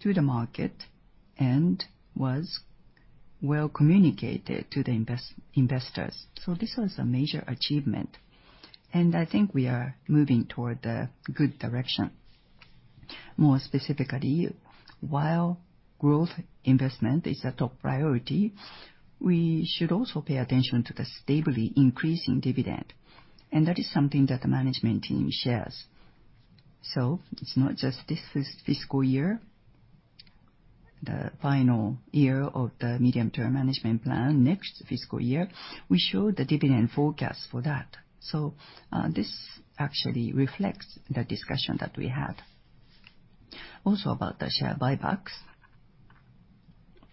to the market and was well communicated to the investors, so this was a major achievement, and I think we are moving toward the good direction. More specifically, while growth investment is a top priority, we should also pay attention to the stably increasing dividend, and that is something that the management team shares. It's not just this fiscal year, the final year of the Medium-term Management Plan. Next fiscal year, we show the dividend forecast for that. This actually reflects the discussion that we had. Also, about the share buybacks,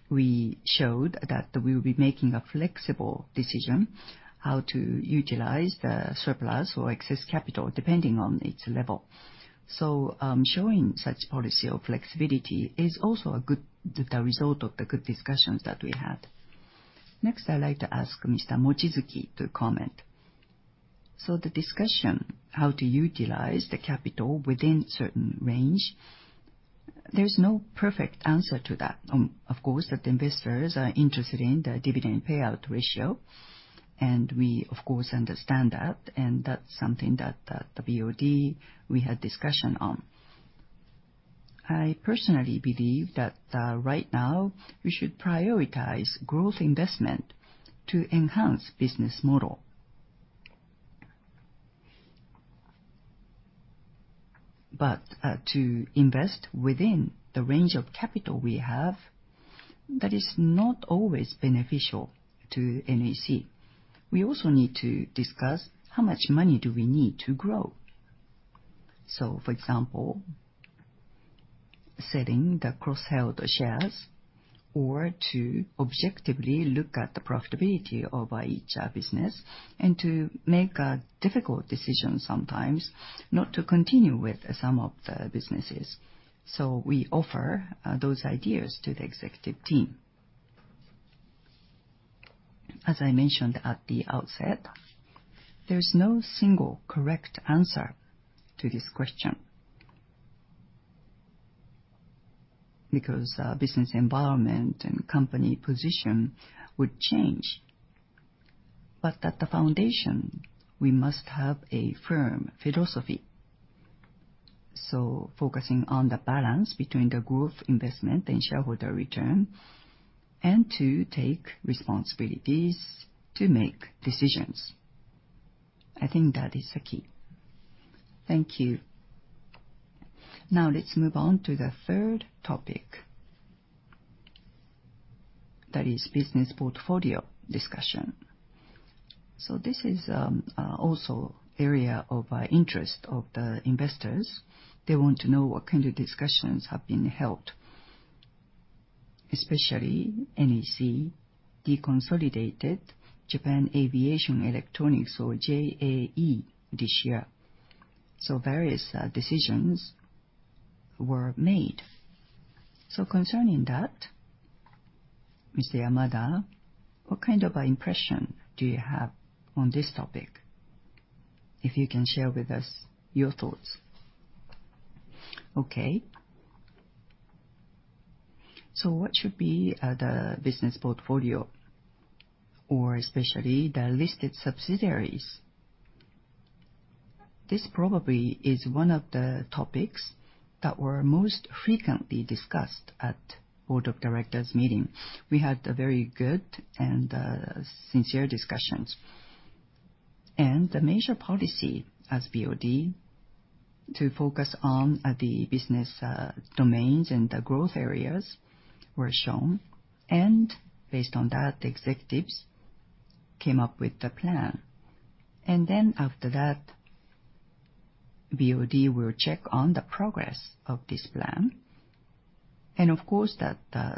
we showed that we will be making a flexible decision how to utilize the surplus or excess capital, depending on its level. So, showing such policy of flexibility is also the result of the good discussions that we had. Next, I'd like to ask Mr. Mochizuki to comment. The discussion how to utilize the capital within certain range, there's no perfect answer to that. Of course, investors are interested in the dividend payout ratio, and we of course understand that, and that's something that, the BOD, we had discussion on. I personally believe that, right now, we should prioritize growth investment to enhance business model. But, to invest within the range of capital we have, that is not always beneficial to NEC. We also need to discuss how much money do we need to grow? So, for example, selling the cross-held shares or to objectively look at the profitability of each business, and to make a difficult decision sometimes not to continue with some of the businesses. So we offer those ideas to the executive team. As I mentioned at the outset, there's no single correct answer to this question, because business environment and company position would change. But at the foundation, we must have a firm philosophy, so focusing on the balance between the growth, investment, and shareholder return, and to take responsibilities to make decisions. I think that is the key. Thank you. Now, let's move on to the third topic. That is business portfolio discussion. So this is also area of interest of the investors. They want to know what kind of discussions have been held. Especially NEC deconsolidated Japan Aviation Electronics, or JAE, this year, so various decisions were made. So concerning that, Mr. Yamada, what kind of an impression do you have on this topic? If you can share with us your thoughts. Okay. So what should be the business portfolio, or especially the listed subsidiaries? This probably is one of the topics that were most frequently discussed at Board of Directors meeting. We had a very good and sincere discussions. And the major policy as BOD, to focus on the business domains and the growth areas were shown, and based on that, the executives came up with the plan. And then after that, BOD will check on the progress of this plan, and of course,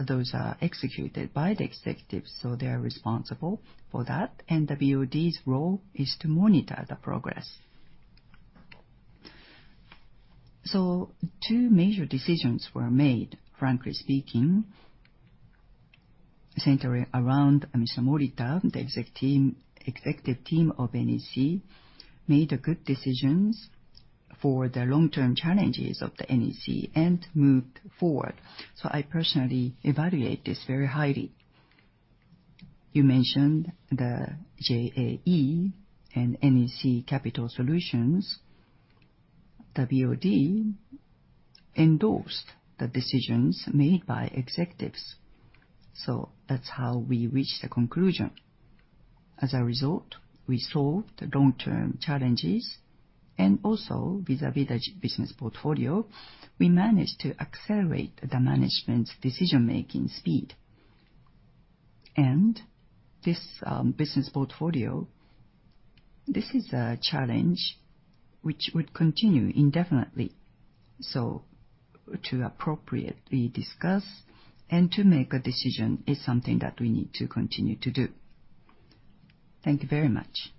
those are executed by the executives, so they are responsible for that, and the BOD's role is to monitor the progress. So two major decisions were made, frankly speaking, centered around Mr. Morita. The executive team of NEC made good decisions for the long-term challenges of NEC and moved forward. So I personally evaluate this very highly. You mentioned the JAE and NEC Capital Solutions. The BOD endorsed the decisions made by executives, so that's how we reached the conclusion. As a result, we solved the long-term challenges, and also vis-a-vis the business portfolio, we managed to accelerate the management's decision-making speed. And this, business portfolio, this is a challenge which would continue indefinitely, so to appropriately discuss and to make a decision is something that we need to continue to do. Thank you very much.